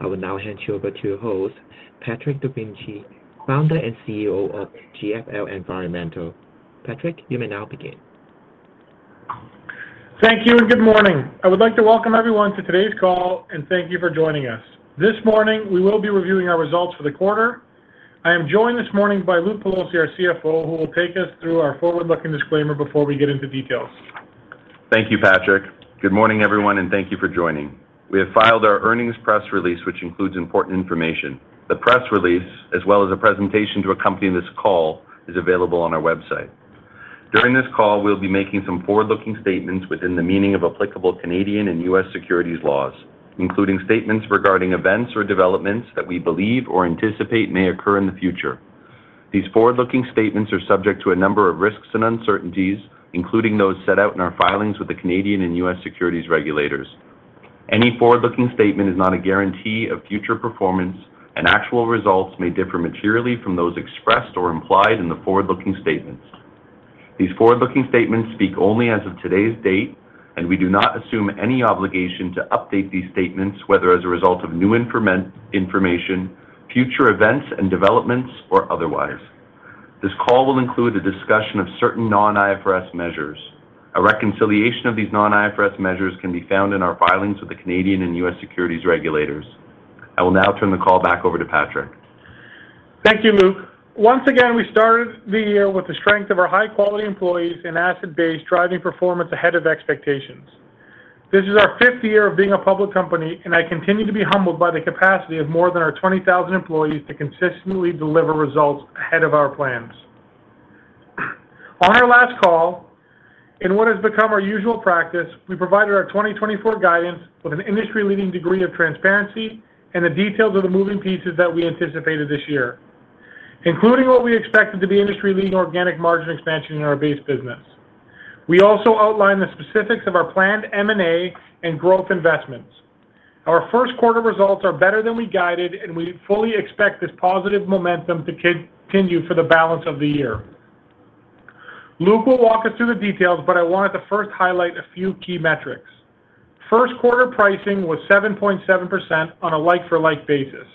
I will now hand you over to your host, Patrick Dovigi, Founder and CEO of GFL Environmental. Patrick, you may now begin. Thank you and good morning. I would like to welcome everyone to today's call and thank you for joining us. This morning, we will be reviewing our results for the quarter. I am joined this morning by Luke Pelosi, our CFO, who will take us through our forward-looking disclaimer before we get into details. Thank you, Patrick. Good morning, everyone, and thank you for joining. We have filed our earnings press release, which includes important information. The press release, as well as a presentation to accompany this call, is available on our website. During this call, we'll be making some forward-looking statements within the meaning of applicable Canadian and U.S. securities laws, including statements regarding events or developments that we believe or anticipate may occur in the future. These forward-looking statements are subject to a number of risks and uncertainties, including those set out in our filings with the Canadian and U.S. securities regulators. Any forward-looking statement is not a guarantee of future performance, and actual results may differ materially from those expressed or implied in the forward-looking statements. These forward-looking statements speak only as of today's date, and we do not assume any obligation to update these statements, whether as a result of new information, future events and developments, or otherwise. This call will include a discussion of certain Non-IFRS measures. A reconciliation of these Non-IFRS measures can be found in our filings with the Canadian and U.S. securities regulators. I will now turn the call back over to Patrick. Thank you, Luke. Once again, we started the year with the strength of our high-quality employees and asset-based driving performance ahead of expectations. This is our fifth year of being a public company, and I continue to be humbled by the capacity of more than our 20,000 employees to consistently deliver results ahead of our plans. On our last call, in what has become our usual practice, we provided our 2024 guidance with an industry-leading degree of transparency and the details of the moving pieces that we anticipated this year, including what we expected to be industry-leading organic margin expansion in our base business. We also outlined the specifics of our planned M&A and growth investments. Our first-quarter results are better than we guided, and we fully expect this positive momentum to continue for the balance of the year. Luke will walk us through the details, but I wanted to first highlight a few key metrics. First-quarter pricing was 7.7% on a like-for-like basis.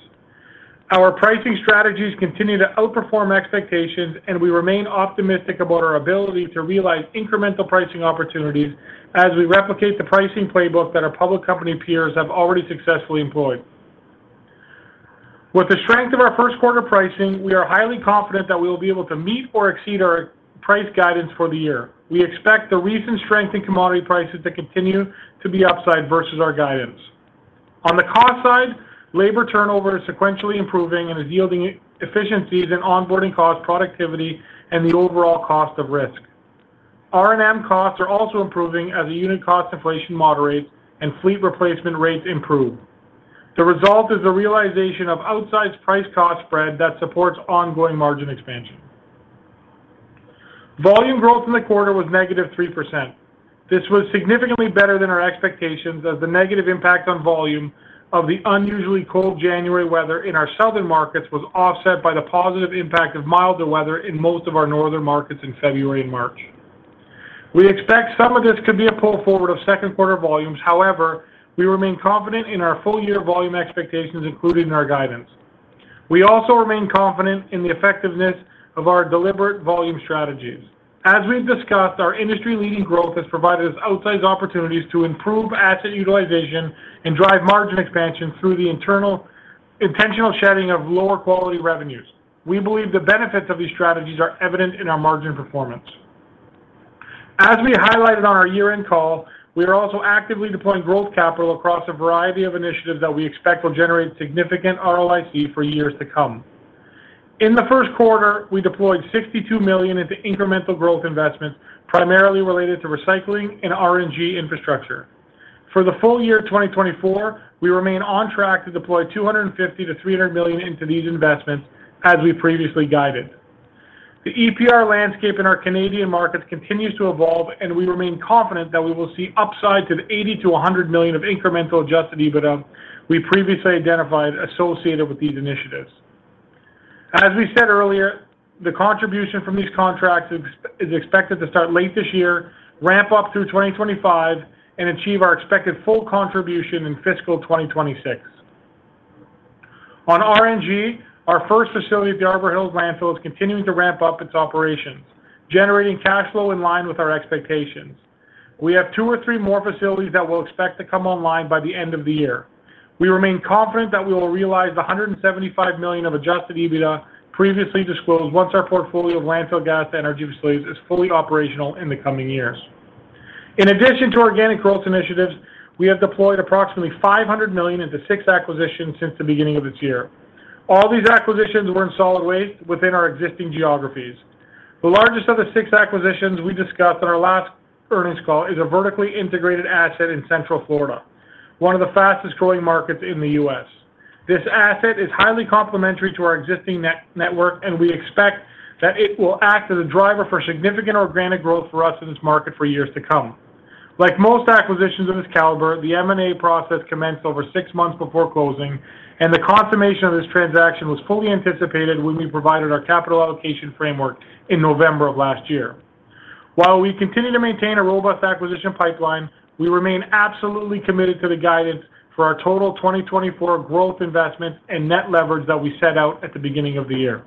Our pricing strategies continue to outperform expectations, and we remain optimistic about our ability to realize incremental pricing opportunities as we replicate the pricing playbook that our public company peers have already successfully employed. With the strength of our first-quarter pricing, we are highly confident that we will be able to meet or exceed our price guidance for the year. We expect the recent strength in commodity prices to continue to be upside versus our guidance. On the cost side, labor turnover is sequentially improving and is yielding efficiencies in onboarding costs, productivity, and the overall cost of risk. R&M costs are also improving as the unit cost inflation moderates and fleet replacement rates improve. The result is the realization of outsized price-cost spread that supports ongoing margin expansion. Volume growth in the quarter was -3%. This was significantly better than our expectations as the negative impact on volume of the unusually cold January weather in our southern markets was offset by the positive impact of milder weather in most of our northern markets in February and March. We expect some of this could be a pull forward of second-quarter volumes. However, we remain confident in our full-year volume expectations included in our guidance. We also remain confident in the effectiveness of our deliberate volume strategies. As we've discussed, our industry-leading growth has provided us outsized opportunities to improve asset utilization and drive margin expansion through the internal intentional shedding of lower-quality revenues. We believe the benefits of these strategies are evident in our margin performance. As we highlighted on our year-end call, we are also actively deploying growth capital across a variety of initiatives that we expect will generate significant ROIC for years to come. In the Q1, we deployed 62 million into incremental growth investments, primarily related to recycling and RNG infrastructure. For the full year 2024, we remain on track to deploy 250 million-300 million into these investments as we previously guided. The EPR landscape in our Canadian markets continues to evolve, and we remain confident that we will see upside to the 80 million-100 million of incremental Adjusted EBITDA we previously identified associated with these initiatives. As we said earlier, the contribution from these contracts is expected to start late this year, ramp up through 2025, and achieve our expected full contribution in fiscal 2026. On RNG, our first facility at the Arbor Hills Landfill is continuing to ramp up its operations, generating cash flow in line with our expectations. We have two or three more facilities that we'll expect to come online by the end of the year. We remain confident that we will realize 175 million of Adjusted EBITDA previously disclosed once our portfolio of landfill gas and energy facilities is fully operational in the coming years. In addition to organic growth initiatives, we have deployed approximately 500 million into six acquisitions since the beginning of this year. All these acquisitions were in solid waste within our existing geographies. The largest of the six acquisitions we discussed on our last earnings call is a vertically integrated asset in central Florida, one of the fastest-growing markets in the U.S. This asset is highly complementary to our existing network, and we expect that it will act as a driver for significant organic growth for us in this market for years to come. Like most acquisitions of this caliber, the M&A process commenced over six months before closing, and the consummation of this transaction was fully anticipated when we provided our capital allocation framework in November of last year. While we continue to maintain a robust acquisition pipeline, we remain absolutely committed to the guidance for our total 2024 growth investments and net leverage that we set out at the beginning of the year.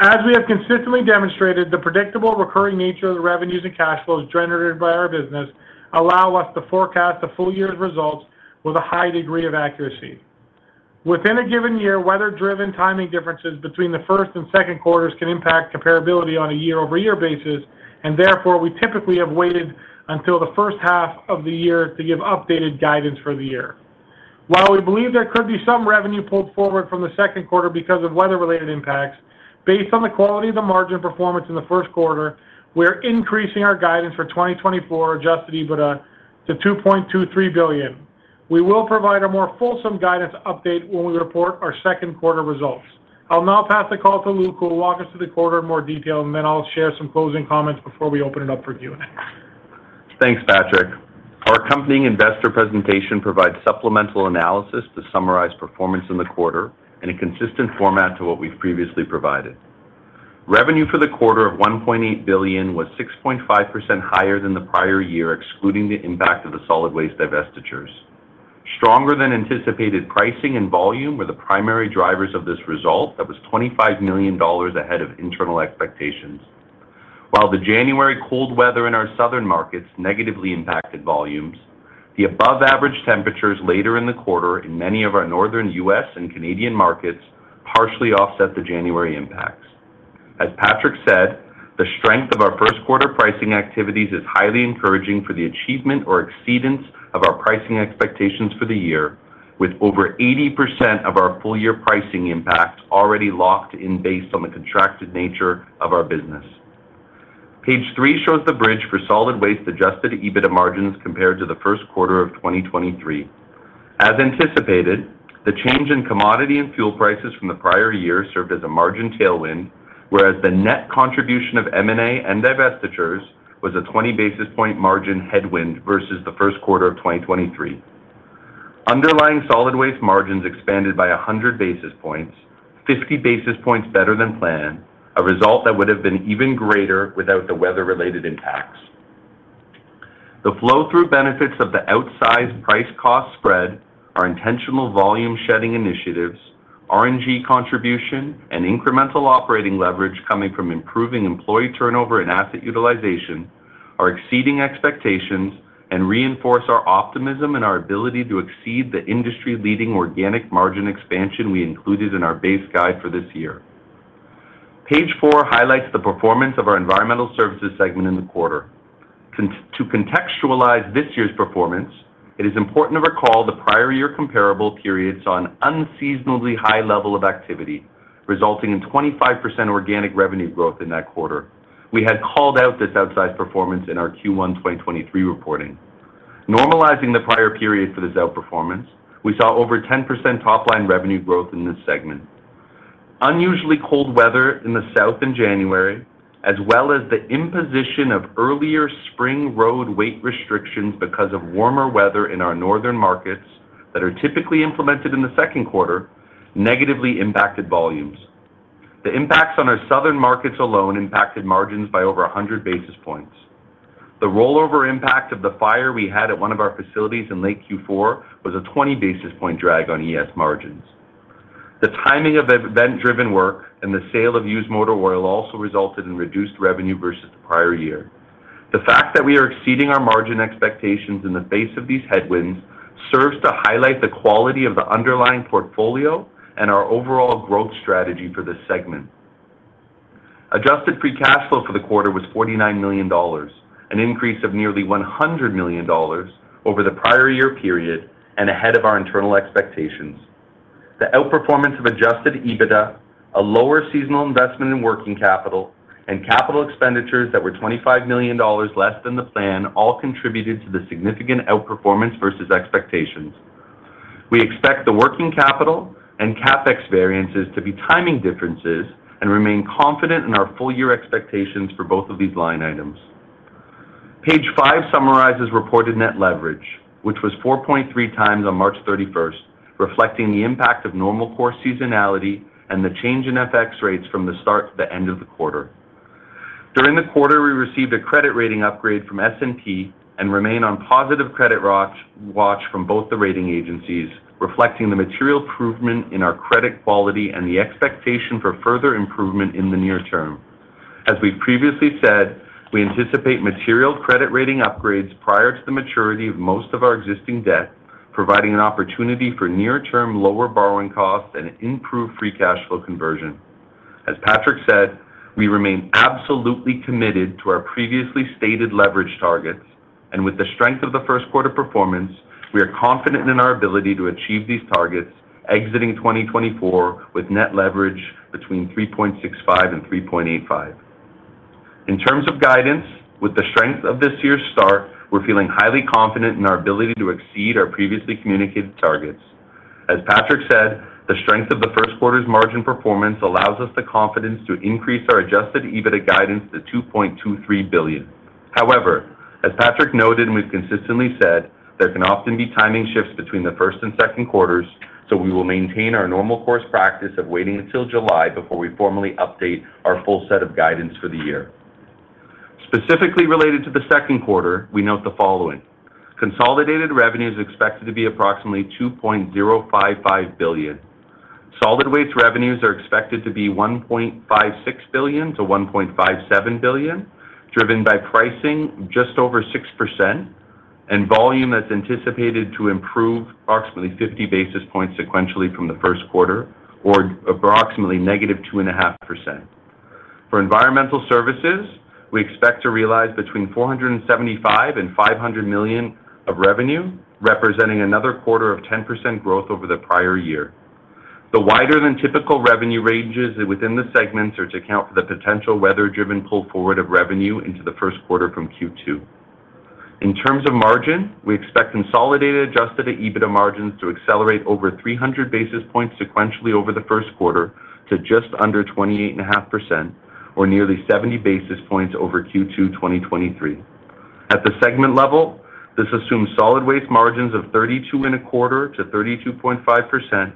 As we have consistently demonstrated, the predictable recurring nature of the revenues and cash flows generated by our business allow us to forecast the full year's results with a high degree of accuracy. Within a given year, weather-driven timing differences between the first and Q2s can impact comparability on a year-over-year basis, and therefore, we typically have waited until the first half of the year to give updated guidance for the year. While we believe there could be some revenue pulled forward from the Q2 because of weather-related impacts, based on the quality of the margin performance in the Q1, we are increasing our guidance for 2024 Adjusted EBITDA to 2.23 billion. We will provide a more fulsome guidance update when we report our Q2 results. I'll now pass the call to Luke, who will walk us through the quarter in more detail, and then I'll share some closing comments before we open it up for Q&A. Thanks, Patrick. Our accompanying investor presentation provides supplemental analysis to summarize performance in the quarter in a consistent format to what we've previously provided. Revenue for the quarter of 1.8 billion was 6.5% higher than the prior year, excluding the impact of the solid waste divestitures. Stronger than anticipated pricing and volume were the primary drivers of this result. That was $25 million ahead of internal expectations. While the January cold weather in our southern markets negatively impacted volumes, the above-average temperatures later in the quarter in many of our northern U.S. and Canadian markets partially offset the January impacts. As Patrick said, the strength of our first-quarter pricing activities is highly encouraging for the achievement or exceedance of our pricing expectations for the year, with over 80% of our full-year pricing impact already locked in based on the contracted nature of our business. Page 3 shows the bridge for solid waste adjusted EBITDA margins compared to the Q1 of 2023. As anticipated, the change in commodity and fuel prices from the prior year served as a margin tailwind, whereas the net contribution of M&A and divestitures was a 20-basis point margin headwind versus the Q1 of 2023. Underlying solid waste margins expanded by 100 basis points, 50 basis points better than planned, a result that would have been even greater without the weather-related impacts. The flow-through benefits of the outsized price-cost spread, our intentional volume-shedding initiatives, RNG contribution, and incremental operating leverage coming from improving employee turnover and asset utilization are exceeding expectations and reinforce our optimism and our ability to exceed the industry-leading organic margin expansion we included in our base guide for this year. Page 4 highlights the performance of our environmental services segment in the quarter. To contextualize this year's performance, it is important to recall the prior year comparable period saw an unseasonably high level of activity, resulting in 25% organic revenue growth in that quarter. We had called out this outsized performance in our Q1 2023 reporting. Normalizing the prior period for this outperformance, we saw over 10% top-line revenue growth in this segment. Unusually cold weather in the south in January, as well as the imposition of earlier spring road weight restrictions because of warmer weather in our northern markets that are typically implemented in the Q2, negatively impacted volumes. The impacts on our southern markets alone impacted margins by over 100 basis points. The rollover impact of the fire we had at one of our facilities in late Q4 was a 20-basis-point drag on ES margins. The timing of event-driven work and the sale of used motor oil also resulted in reduced revenue versus the prior year. The fact that we are exceeding our margin expectations in the face of these headwinds serves to highlight the quality of the underlying portfolio and our overall growth strategy for this segment. Adjusted Free Cash Flow for the quarter was $49 million, an increase of nearly $100 million over the prior year period and ahead of our internal expectations. The outperformance of Adjusted EBITDA, a lower seasonal investment in working capital, and capital expenditures that were $25 million less than the plan all contributed to the significant outperformance versus expectations. We expect the working capital and CapEx variances to be timing differences and remain confident in our full-year expectations for both of these line items. Page five summarizes reported net leverage, which was 4.3x on March 31st, reflecting the impact of normal core seasonality and the change in FX rates from the start to the end of the quarter. During the quarter, we received a credit rating upgrade from S&P and remain on positive credit watch from both the rating agencies, reflecting the material improvement in our credit quality and the expectation for further improvement in the near term. As we've previously said, we anticipate material credit rating upgrades prior to the maturity of most of our existing debt, providing an opportunity for near-term lower borrowing costs and improved free cash flow conversion. As Patrick said, we remain absolutely committed to our previously stated leverage targets, and with the strength of the first-quarter performance, we are confident in our ability to achieve these targets, exiting 2024 with net leverage between 3.65x and 3.85x. In terms of guidance, with the strength of this year's start, we're feeling highly confident in our ability to exceed our previously communicated targets. As Patrick said, the strength of the Q1's margin performance allows us the confidence to increase our adjusted EBITDA guidance to 2.23 billion. However, as Patrick noted and we've consistently said, there can often be timing shifts between the first and Q2s, so we will maintain our normal course practice of waiting until July before we formally update our full set of guidance for the year. Specifically related to the Q2, we note the following: consolidated revenues expected to be approximately 2.055 billion. Solid waste revenues are expected to be 1.56 billion-1.57 billion, driven by pricing just over 6% and volume that's anticipated to improve approximately 50 basis points sequentially from the Q1, or approximately negative 2.5%. For environmental services, we expect to realize between 475 million and 500 million of revenue, representing another quarter of 10% growth over the prior year. The wider-than-typical revenue ranges within the segments are to account for the potential weather-driven pull forward of revenue into the Q1 from Q2. In terms of margin, we expect consolidated adjusted EBITDA margins to accelerate over 300 basis points sequentially over the Q1 to just under 28.5%, or nearly 70 basis points over Q2 2023. At the segment level, this assumes solid waste margins of 32.25%-32.5%,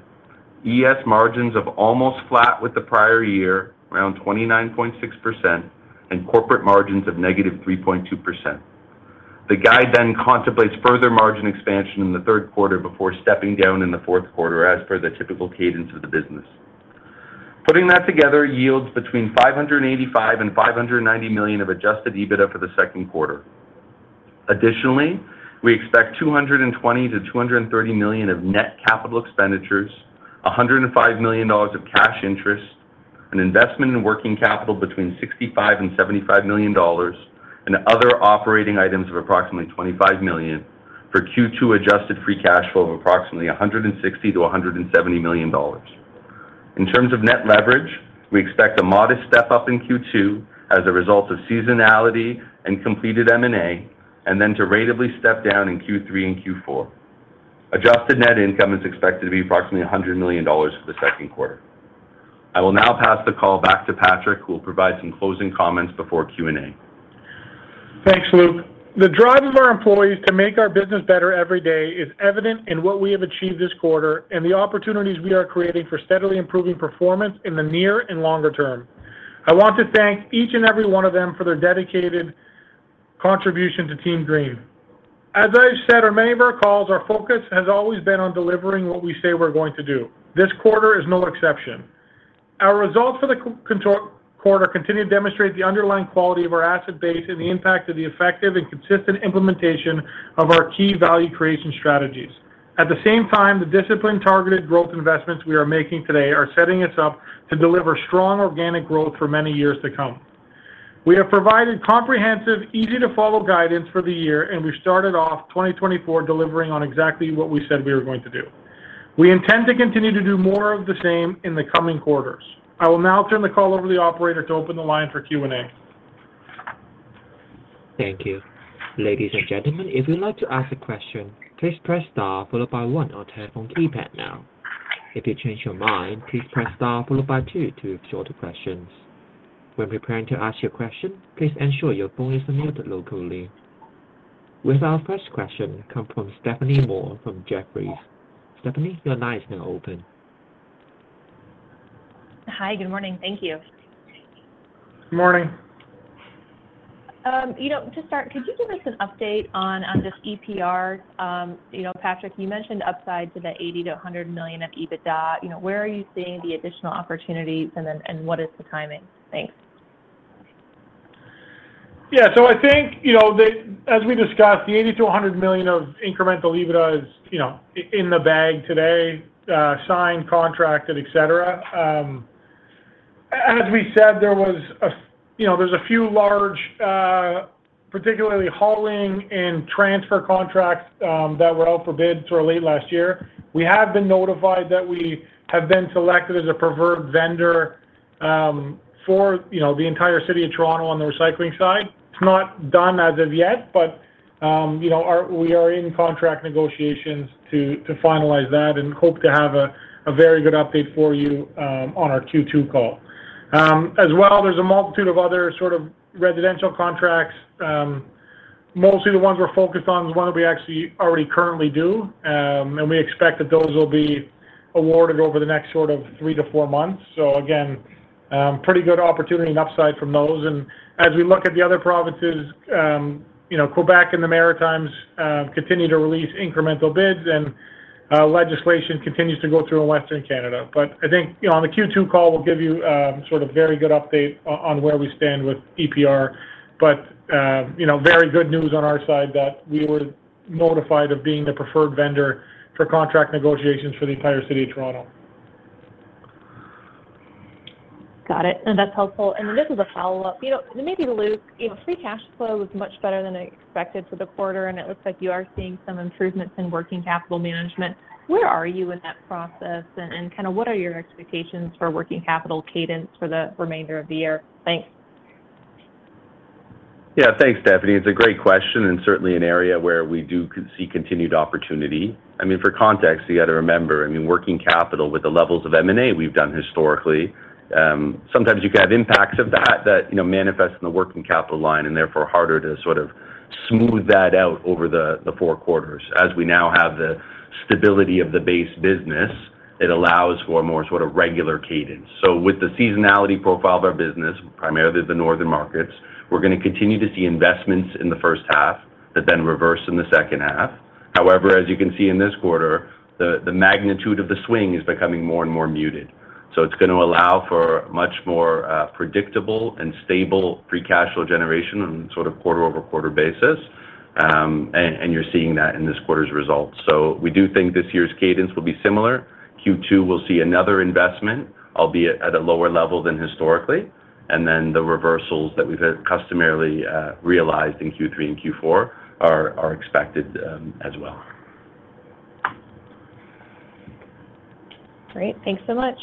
ES margins of almost flat with the prior year, around 29.6%, and corporate margins of -3.2%. The guide then contemplates further margin expansion in the Q3 before stepping down in the Q4, as per the typical cadence of the business. Putting that together, yields 585 million-590 million of Adjusted EBITDA for the Q2. Additionally, we expect 220 million-230 million of net capital expenditures, 105 million dollars of cash interest, an investment in working capital between 65 million and 75 million dollars, and other operating items of approximately 25 million for Q2 Adjusted Free Cash Flow of approximately 160 million-170 million dollars. In terms of net leverage, we expect a modest step up in Q2 as a result of seasonality and completed M&A, and then to ratably step down in Q3 and Q4. Adjusted Net Income is expected to be approximately 100 million dollars for the Q2. I will now pass the call back to Patrick, who will provide some closing comments before Q&A. Thanks, Luke. The drive of our employees to make our business better every day is evident in what we have achieved this quarter and the opportunities we are creating for steadily improving performance in the near and longer term. I want to thank each and every one of them for their dedicated contribution to Team Green. As I've said, on many of our calls, our focus has always been on delivering what we say we're going to do. This quarter is no exception. Our results for the quarter continue to demonstrate the underlying quality of our asset base and the impact of the effective and consistent implementation of our key value creation strategies. At the same time, the disciplined targeted growth investments we are making today are setting us up to deliver strong organic growth for many years to come. We have provided comprehensive, easy-to-follow guidance for the year, and we started off 2024 delivering on exactly what we said we were going to do. We intend to continue to do more of the same in the coming quarters. I will now turn the call over to the operator to open the line for Q&A. Thank you. Ladies and gentlemen, if you'd like to ask a question, please press star followed by one on the telephone keypad now. If you change your mind, please press star followed by two to resolve the questions. When preparing to ask your question, please ensure your phone is muted locally. With our first question comes from Stephanie Moore from Jefferies. Stephanie, your line is now open. Hi. Good morning. Thank you. Good morning. To start, could you give us an update on this EPR? Patrick, you mentioned upside to the 80 million-100 million of EBITDA. Where are you seeing the additional opportunities, and what is the timing? Thanks. Yeah. So I think, as we discussed, the 80 million-100 million of incremental EBITDA is in the bag today: signed, contracted, etc. As we said, there was a few large, particularly hauling and transfer contracts that were out for bid sort of late last year. We have been notified that we have been selected as a preferred vendor for the entire City of Toronto on the recycling side. It's not done as of yet, but we are in contract negotiations to finalize that and hope to have a very good update for you on our Q2 call. As well, there's a multitude of other sort of residential contracts. Mostly the ones we're focused on is one that we actually already currently do, and we expect that those will be awarded over the next sort of 3-4 months. So again, pretty good opportunity and upside from those. As we look at the other provinces, Quebec and the Maritimes continue to release incremental bids, and legislation continues to go through in Western Canada. I think on the Q2 call, we'll give you sort of very good update on where we stand with EPR. Very good news on our side that we were notified of being the preferred vendor for contract negotiations for the entire city of Toronto. Got it. That's helpful. Then this is a follow-up. Maybe, Luke, free cash flow was much better than expected for the quarter, and it looks like you are seeing some improvements in working capital management. Where are you in that process, and kind of what are your expectations for working capital cadence for the remainder of the year? Thanks. Yeah. Thanks, Stephanie. It's a great question and certainly an area where we do see continued opportunity. I mean, for context, you got to remember, I mean, working capital with the levels of M&A we've done historically, sometimes you can have impacts of that that manifest in the working capital line and therefore harder to sort of smooth that out over the four quarters. As we now have the stability of the base business, it allows for more sort of regular cadence. So with the seasonality profile of our business, primarily the northern markets, we're going to continue to see investments in the first half that then reverse in the second half. However, as you can see in this quarter, the magnitude of the swing is becoming more and more muted. So it's going to allow for much more predictable and stable free cash flow generation on sort of quarter-over-quarter basis, and you're seeing that in this quarter's results. So we do think this year's cadence will be similar. Q2 we'll see another investment, albeit at a lower level than historically, and then the reversals that we've customarily realized in Q3 and Q4 are expected as well. Great. Thanks so much.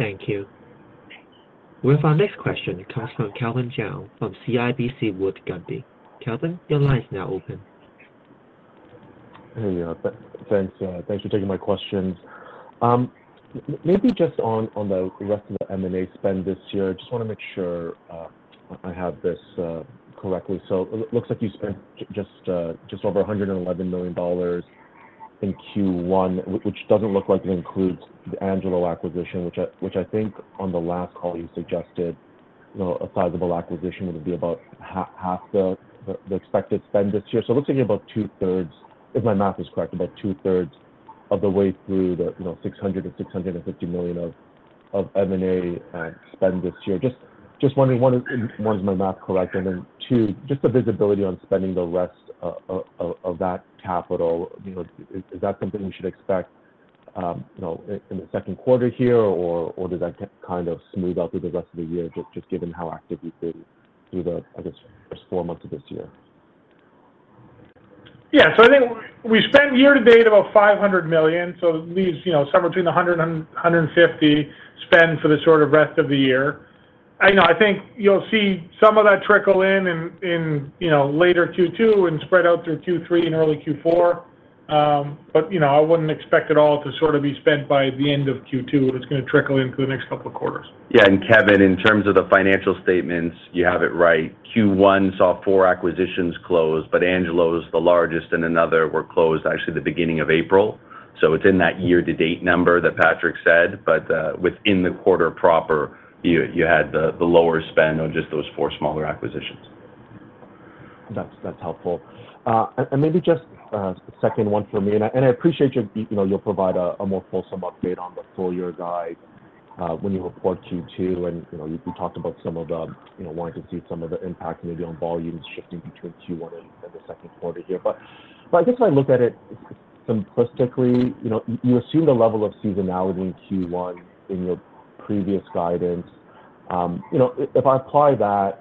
Thank you. With our next question, it comes from Kevin Chiang from CIBC Wood Gundy. Kevin, your line is now open. Hey, thanks. Thanks for taking my questions. Maybe just on the rest of the M&A spend this year, I just want to make sure I have this correctly. So it looks like you spent just over $111 million in Q1, which doesn't look like it includes the Angelo's acquisition, which I think on the last call you suggested a sizable acquisition would be about half the expected spend this year. So it looks like about two-thirds, if my math is correct, about two-thirds of the way through the $600 million-$650 million of M&A spend this year. Just wondering, one, is my math correct? Then two, just the visibility on spending the rest of that capital, is that something we should expect in the Q2 here, or does that kind of smooth out through the rest of the year just given how active you've been through the, I guess, first four months of this year? Yeah. So I think we spend year to date about 500 million, so it leaves somewhere between 100 million and 150 million spend for the sort of rest of the year. I think you'll see some of that trickle in later Q2 and spread out through Q3 and early Q4, but I wouldn't expect it all to sort of be spent by the end of Q2. It's going to trickle in for the next couple of quarters. Yeah. And Kevin, in terms of the financial statements, you have it right. Q1 saw 4 acquisitions closed, but Angelo's the largest, and another were closed actually the beginning of April. So it's in that year-to-date number that Patrick said, but within the quarter proper, you had the lower spend on just those 4 smaller acquisitions. That's helpful. Maybe just a second one for me, and I appreciate you'll provide a more fulsome update on the full-year guide when you report Q2. We talked about some of the wanting to see some of the impact maybe on volumes shifting between Q1 and the Q2 here. But I guess if I look at it simplistically, you assumed a level of seasonality in Q1 in your previous guidance. If I apply that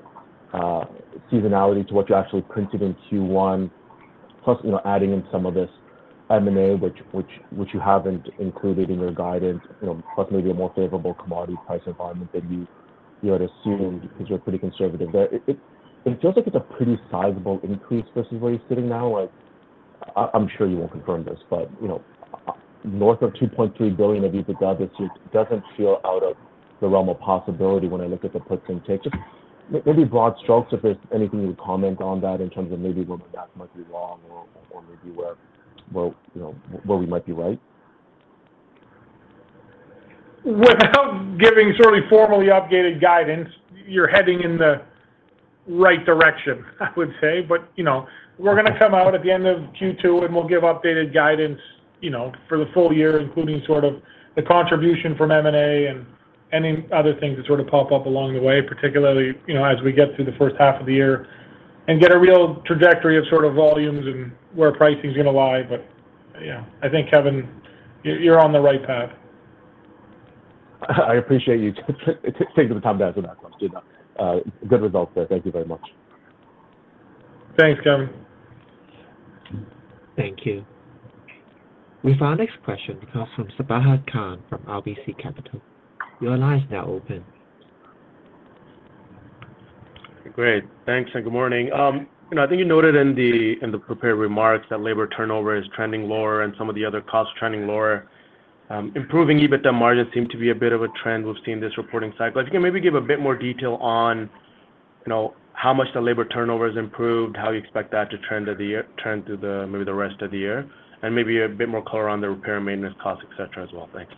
seasonality to what you actually printed in Q1, plus adding in some of this M&A, which you haven't included in your guidance, plus maybe a more favorable commodity price environment than you had assumed because you're pretty conservative there, it feels like it's a pretty sizable increase versus where you're sitting now. I'm sure you won't confirm this, but north of 2.3 billion of EBITDA this year doesn't feel out of the realm of possibility when I look at the puts and takes. Just maybe broad strokes, if there's anything you would comment on that in terms of maybe where my math might be wrong or maybe where we might be right. Without giving sort of formally updated guidance, you're heading in the right direction, I would say. But we're going to come out at the end of Q2, and we'll give updated guidance for the full year, including sort of the contribution from M&A and any other things that sort of pop up along the way, particularly as we get through the first half of the year and get a real trajectory of sort of volumes and where pricing's going to lie. But yeah, I think, Kevin, you're on the right path. I appreciate you taking the time to answer that question, though. Good results there. Thank you very much. Thanks, Kevin. Thank you. With our next question, it comes from Sabahat Khan from RBC Capital Markets. Your line is now open. Great. Thanks and good morning. I think you noted in the prepared remarks that labor turnover is trending lower and some of the other costs trending lower. Improving EBITDA margins seem to be a bit of a trend we've seen this reporting cycle. If you can maybe give a bit more detail on how much the labor turnover has improved, how you expect that to trend through maybe the rest of the year, and maybe a bit more color on the repair and maintenance costs, etc., as well. Thanks.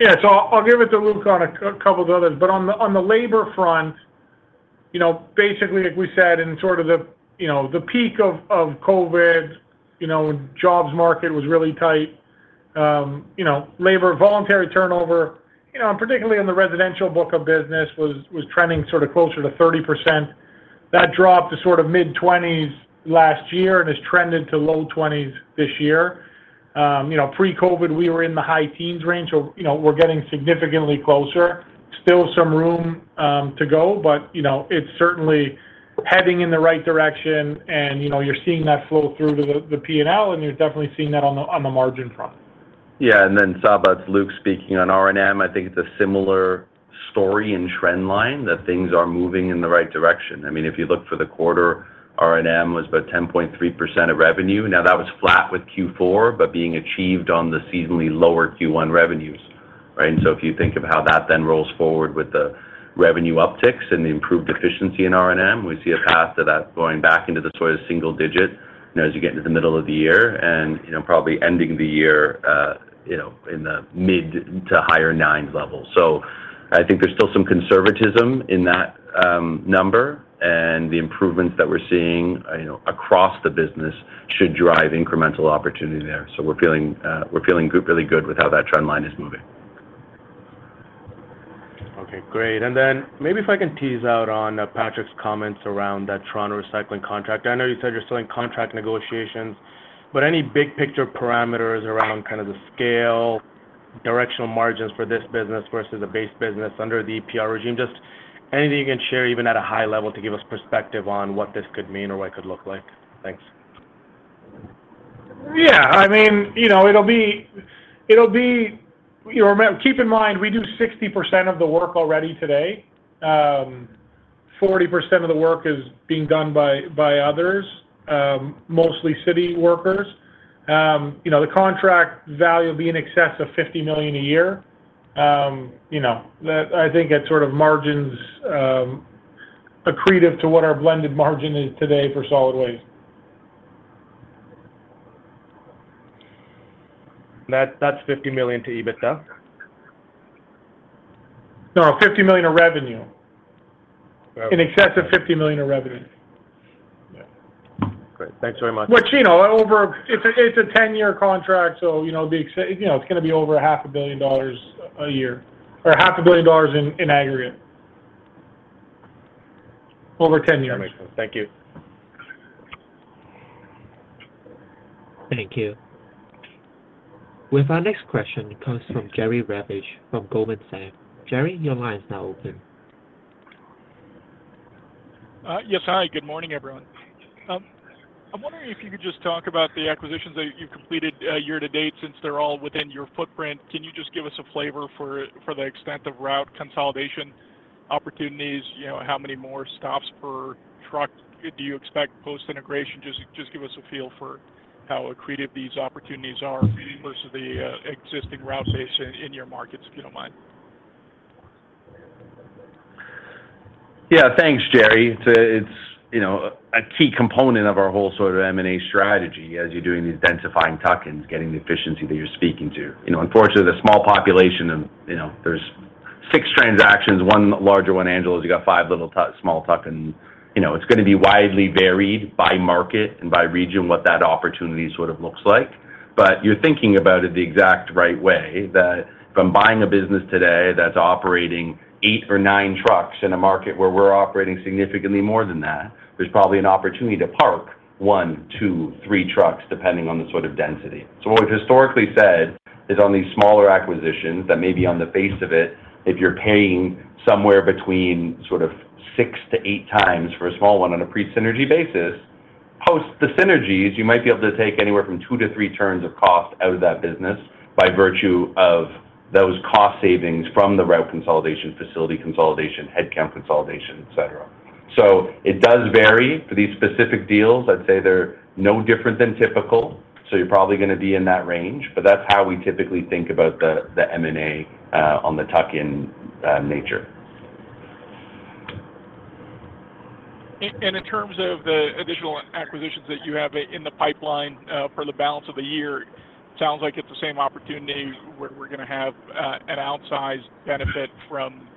Yeah. So I'll give it to Luke on a couple of the others. But on the labor front, basically, like we said, in sort of the peak of COVID, jobs market was really tight. Labor voluntary turnover, particularly on the residential book of business, was trending sort of closer to 30%. That dropped to sort of mid-20s last year and has trended to low 20s this year. Pre-COVID, we were in the high teens range, so we're getting significantly closer. Still some room to go, but it's certainly heading in the right direction, and you're seeing that flow through to the P&L, and you're definitely seeing that on the margin front. Yeah. And then Sabahat, it's Luke speaking on R&M. I think it's a similar story and trend line that things are moving in the right direction. I mean, if you look for the quarter, R&M was about 10.3% of revenue. Now, that was flat with Q4, but being achieved on the seasonally lower Q1 revenues, right? And so if you think of how that then rolls forward with the revenue upticks and the improved efficiency in R&M, we see a path to that going back into the sort of single digit as you get into the middle of the year and probably ending the year in the mid- to high-9s level. So I think there's still some conservatism in that number, and the improvements that we're seeing across the business should drive incremental opportunity there. So we're feeling really good with how that trend line is moving. Okay. Great. And then maybe if I can tease out on Patrick's comments around that Toronto recycling contract. I know you said you're still in contract negotiations, but any big-picture parameters around kind of the scale, directional margins for this business versus a base business under the EPR regime? Just anything you can share even at a high level to give us perspective on what this could mean or what it could look like. Thanks. Yeah. I mean, it'll be, keep in mind, we do 60% of the work already today. 40% of the work is being done by others, mostly city workers. The contract value being in excess of 50 million a year, I think it sort of margins accretive to what our blended margin is today for Solid Waste. That's 50 million to EBITDA? No, 50 million of revenue. In excess of 50 million of revenue. Great. Thanks very much. Which, it's a 10-year contract, so it's going to be over 500 million dollars a year or 500 million dollars in aggregate over 10 years. That makes sense. Thank you. Thank you. With our next question, it comes from Jerry Revich from Goldman Sachs. Jerry, your line is now open. Yes, hi. Good morning, everyone. I'm wondering if you could just talk about the acquisitions that you've completed year to date since they're all within your footprint. Can you just give us a flavor for the extent of route consolidation opportunities? How many more stops per truck do you expect post-integration? Just give us a feel for how accretive these opportunities are versus the existing route base in your markets, if you don't mind. Yeah. Thanks, Jerry. It's a key component of our whole sort of M&A strategy as you're doing these densifying tuck-ins, getting the efficiency that you're speaking to. Unfortunately, the small population, there's 6 transactions, one larger, one Angelo's. You got 5 little small tuck-ins. It's going to be widely varied by market and by region what that opportunity sort of looks like. But you're thinking about it the exact right way, that if I'm buying a business today that's operating 8 or 9 trucks in a market where we're operating significantly more than that, there's probably an opportunity to park 1, 2, 3 trucks depending on the sort of density. So what we've historically said is on these smaller acquisitions that maybe on the face of it, if you're paying somewhere between sort of 6-8 times for a small one on a pre-synergy basis, post the synergies, you might be able to take anywhere from 2-3 turns of cost out of that business by virtue of those cost savings from the route consolidation, facility consolidation, headcount consolidation, etc. So it does vary. For these specific deals, I'd say they're no different than typical, so you're probably going to be in that range. But that's how we typically think about the M&A on the tuck-in nature. In terms of the additional acquisitions that you have in the pipeline for the balance of the year, it sounds like it's the same opportunity where we're going to have an outsized benefit from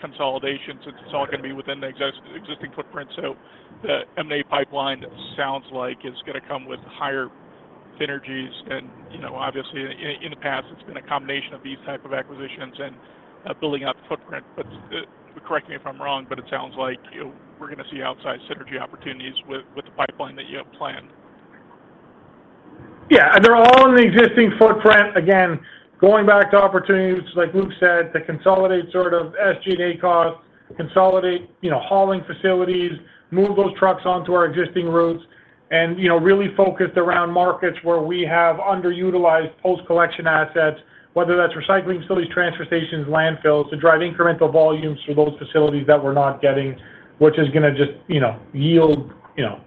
consolidation since it's all going to be within the existing footprint. The M&A pipeline, it sounds like, is going to come with higher synergies. Obviously, in the past, it's been a combination of these type of acquisitions and building out the footprint. Correct me if I'm wrong, but it sounds like we're going to see outsized synergy opportunities with the pipeline that you have planned. Yeah. They're all in the existing footprint. Again, going back to opportunities, like Luke said, to consolidate sort of SG&A costs, consolidate hauling facilities, move those trucks onto our existing routes, and really focused around markets where we have underutilized post-collection assets, whether that's recycling facilities, transfer stations, landfills, to drive incremental volumes for those facilities that we're not getting, which is going to just yield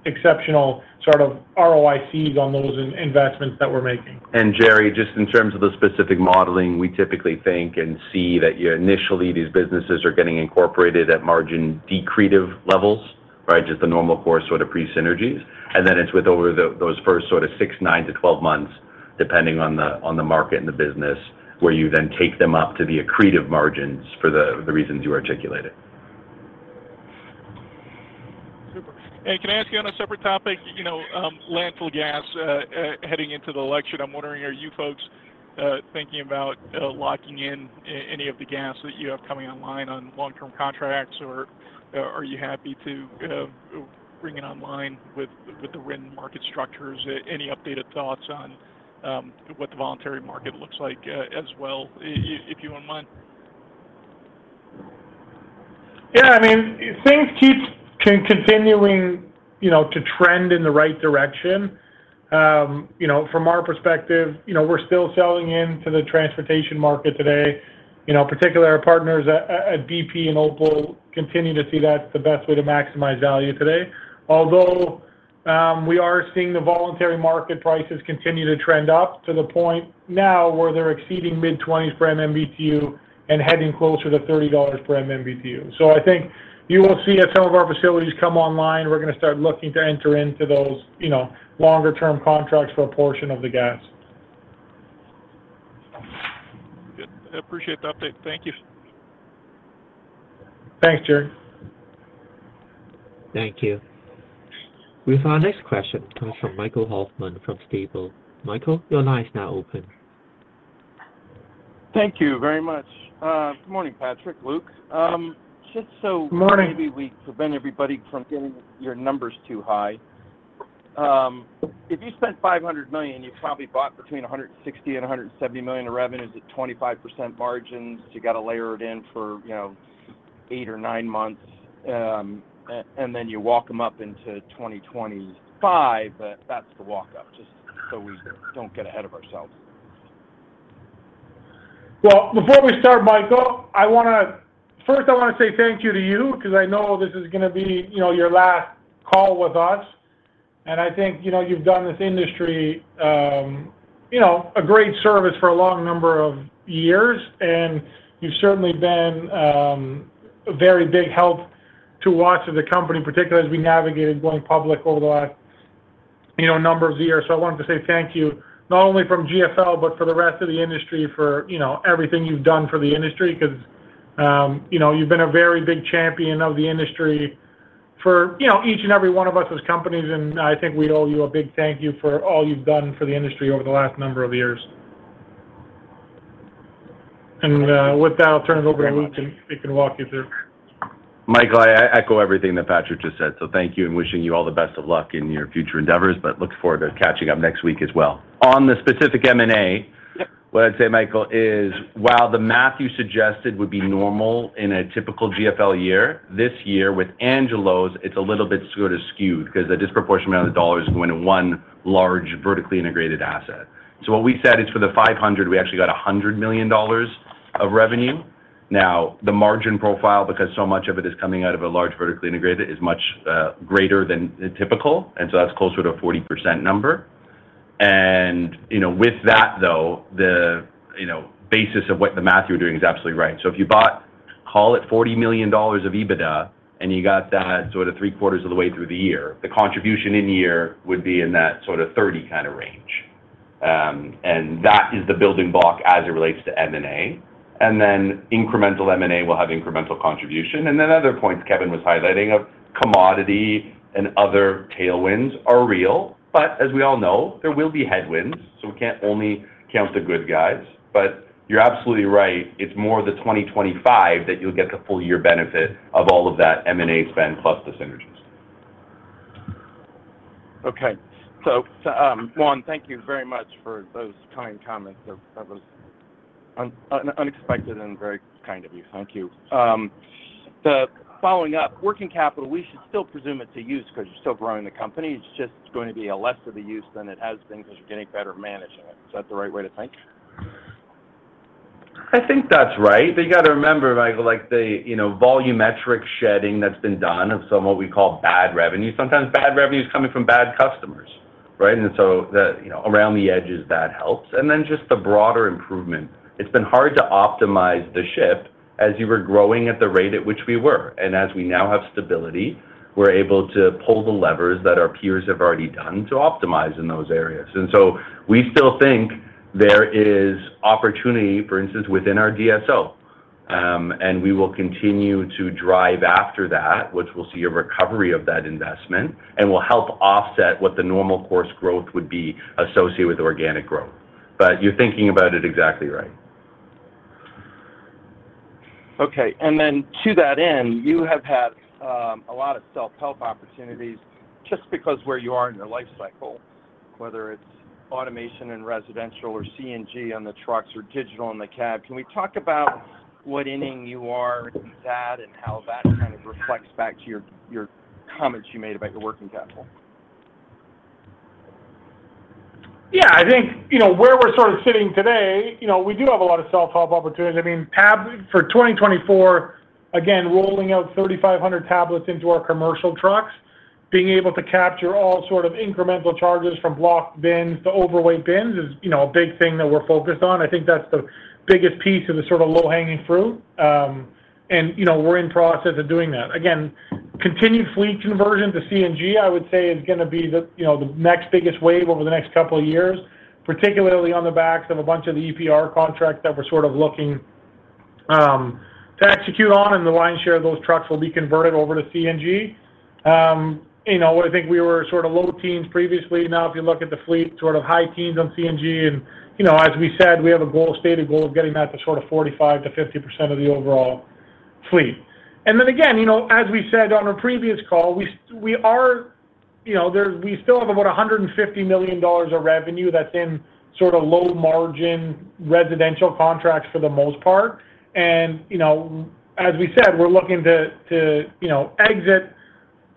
exceptional sort of ROICs on those investments that we're making. And Jerry, just in terms of the specific modeling, we typically think and see that initially, these businesses are getting incorporated at margin-decretive levels, right, just the normal core sort of pre-synergies. And then it's with over those first sort of 6, 9, to 12 months, depending on the market and the business, where you then take them up to the accretive margins for the reasons you articulated. Super. And can I ask you on a separate topic? Landfill gas heading into the election, I'm wondering, are you folks thinking about locking in any of the gas that you have coming online on long-term contracts, or are you happy to bring it online with the written market structures? Any updated thoughts on what the voluntary market looks like as well, if you don't mind? Yeah. I mean, things keep continuing to trend in the right direction. From our perspective, we're still selling into the transportation market today. Particularly, our partners at BP and Opal continue to see that's the best way to maximize value today. Although we are seeing the voluntary market prices continue to trend up to the point now where they're exceeding $mid-20s per MMBtu and heading closer to $30 per MMBtu. So I think you will see at some of our facilities come online, we're going to start looking to enter into those longer-term contracts for a portion of the gas. Good. I appreciate the update. Thank you. Thanks, Jerry. Thank you. With our next question, it comes from Michael Hoffman from Stifel. Michael, your line is now open. Thank you very much. Good morning, Patrick, Luke. Just so. Good morning. Maybe we've prevented everybody from getting your numbers too high. If you spent 500 million, you probably bought between 160 million and 170 million of revenue at 25% margins. You got to layer it in for 8 or 9 months, and then you walk them up into 2025, but that's the walk-up, just so we don't get ahead of ourselves. Well, before we start, Michael, first, I want to say thank you to you because I know this is going to be your last call with us. And I think you've done this industry a great service for a long number of years, and you've certainly been a very big help to lots of the company, particularly as we navigated going public over the last number of years. So I wanted to say thank you, not only from GFL, but for the rest of the industry, for everything you've done for the industry because you've been a very big champion of the industry for each and every one of us as companies, and I think we owe you a big thank you for all you've done for the industry over the last number of years. And with that, I'll turn it over to Luke, and he can walk you through. Michael, I echo everything that Patrick just said. So thank you and wishing you all the best of luck in your future endeavors, but look forward to catching up next week as well. On the specific M&A, what I'd say, Michael, is while the math you suggested would be normal in a typical GFL year, this year, with Angelo's, it's a little bit sort of skewed because the disproportionate amount of dollars is going to one large vertically integrated asset. So what we said is for the $500 million, we actually got $100 million of revenue. Now, the margin profile, because so much of it is coming out of a large vertically integrated, is much greater than typical, and so that's closer to a 40% number. And with that, though, the basis of what the math you were doing is absolutely right. So if you bought, call it, $40 million of EBITDA and you got that sort of three-quarters of the way through the year, the contribution in year would be in that sort of 30 kind of range. And that is the building block as it relates to M&A. And then incremental M&A will have incremental contribution. And then other points Kevin was highlighting of commodity and other tailwinds are real, but as we all know, there will be headwinds, so we can't only count the good guys. But you're absolutely right. It's more the 2025 that you'll get the full-year benefit of all of that M&A spend plus the synergies. Okay. So Juan, thank you very much for those kind comments. That was unexpected and very kind of you. Thank you. Following up, working capital, we should still presume it's a use because you're still growing the company. It's just going to be less of a use than it has been because you're getting better at managing it. Is that the right way to think? I think that's right. But you got to remember, Michael, the volumetric shedding that's been done of some of what we call bad revenue. Sometimes bad revenue is coming from bad customers, right? And so around the edges, that helps. And then just the broader improvement. It's been hard to optimize the shift as you were growing at the rate at which we were. And as we now have stability, we're able to pull the levers that our peers have already done to optimize in those areas. And so we still think there is opportunity, for instance, within our DSO. And we will continue to drive after that, which we'll see a recovery of that investment, and will help offset what the normal course growth would be associated with organic growth. But you're thinking about it exactly right. Okay. And then to that end, you have had a lot of self-help opportunities just because where you are in your life cycle, whether it's automation in residential or CNG on the trucks or digital in the cab. Can we talk about what inning you are in that and how that kind of reflects back to your comments you made about your working capital? Yeah. I think where we're sort of sitting today, we do have a lot of self-help opportunities. I mean, for 2024, again, rolling out 3,500 tablets into our commercial trucks, being able to capture all sort of incremental charges from blocked bins to overweight bins is a big thing that we're focused on. I think that's the biggest piece of the sort of low-hanging fruit, and we're in process of doing that. Again, continued fleet conversion to CNG, I would say, is going to be the next biggest wave over the next couple of years, particularly on the backs of a bunch of the EPR contracts that we're sort of looking to execute on, and the lion's share of those trucks will be converted over to CNG. I think we were sort of low teens previously. Now, if you look at the fleet, sort of high teens on CNG. As we said, we have a stated goal of getting that to sort of 45%-50% of the overall fleet. Then again, as we said on our previous call, we still have about $150 million of revenue that's in sort of low-margin residential contracts for the most part. As we said, we're looking to exit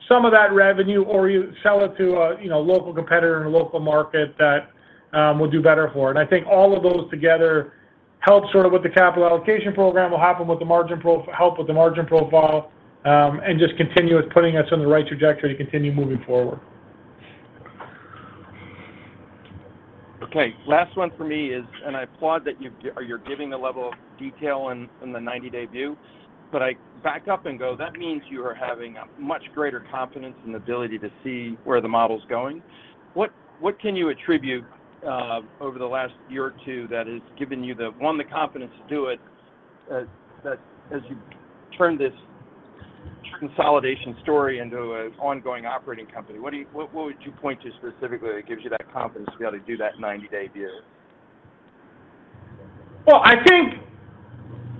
some of that revenue or sell it to a local competitor in a local market that we'll do better for. I think all of those together help sort of with the capital allocation program, will help with the margin profile, and just continue with putting us on the right trajectory to continue moving forward. Okay. Last one for me is, and I applaud that you're giving a level of detail in the 90-day view, but I back up and go, that means you are having much greater confidence and ability to see where the model's going. What can you attribute over the last year or two that has given you, one, the confidence to do it, that as you turn this consolidation story into an ongoing operating company, what would you point to specifically that gives you that confidence to be able to do that 90-day view? Well, I think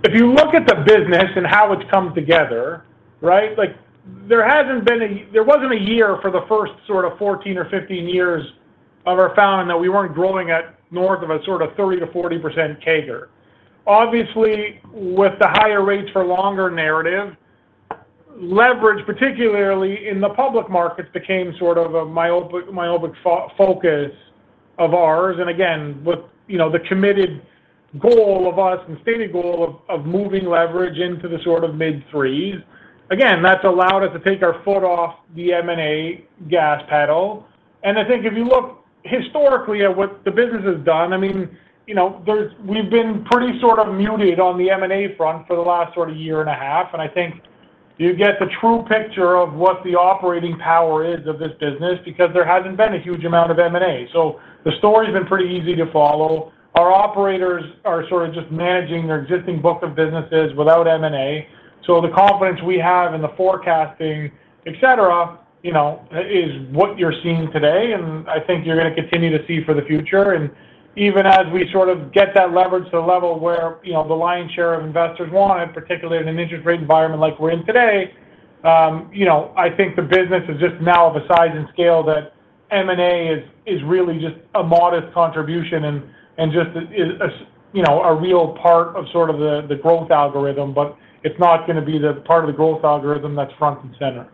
if you look at the business and how it's come together, right, there wasn't a year for the first sort of 14 or 15 years of our founding that we weren't growing north of a sort of 30%-40% CAGR. Obviously, with the higher rates for longer narrative, leverage, particularly in the public markets, became sort of a myopic focus of ours. And again, with the committed goal of us and stated goal of moving leverage into the sort of mid-3s, again, that's allowed us to take our foot off the M&A gas pedal. And I think if you look historically at what the business has done, I mean, we've been pretty sort of muted on the M&A front for the last sort of year and a half. I think you get the true picture of what the operating power is of this business because there hasn't been a huge amount of M&A. The story's been pretty easy to follow. Our operators are sort of just managing their existing book of businesses without M&A. The confidence we have in the forecasting, etc., is what you're seeing today, and I think you're going to continue to see for the future. Even as we sort of get that leverage to the level where the lion's share of investors want it, particularly in an interest rate environment like we're in today, I think the business is just now of a size and scale that M&A is really just a modest contribution and just a real part of sort of the growth algorithm, but it's not going to be the part of the growth algorithm that's front and center.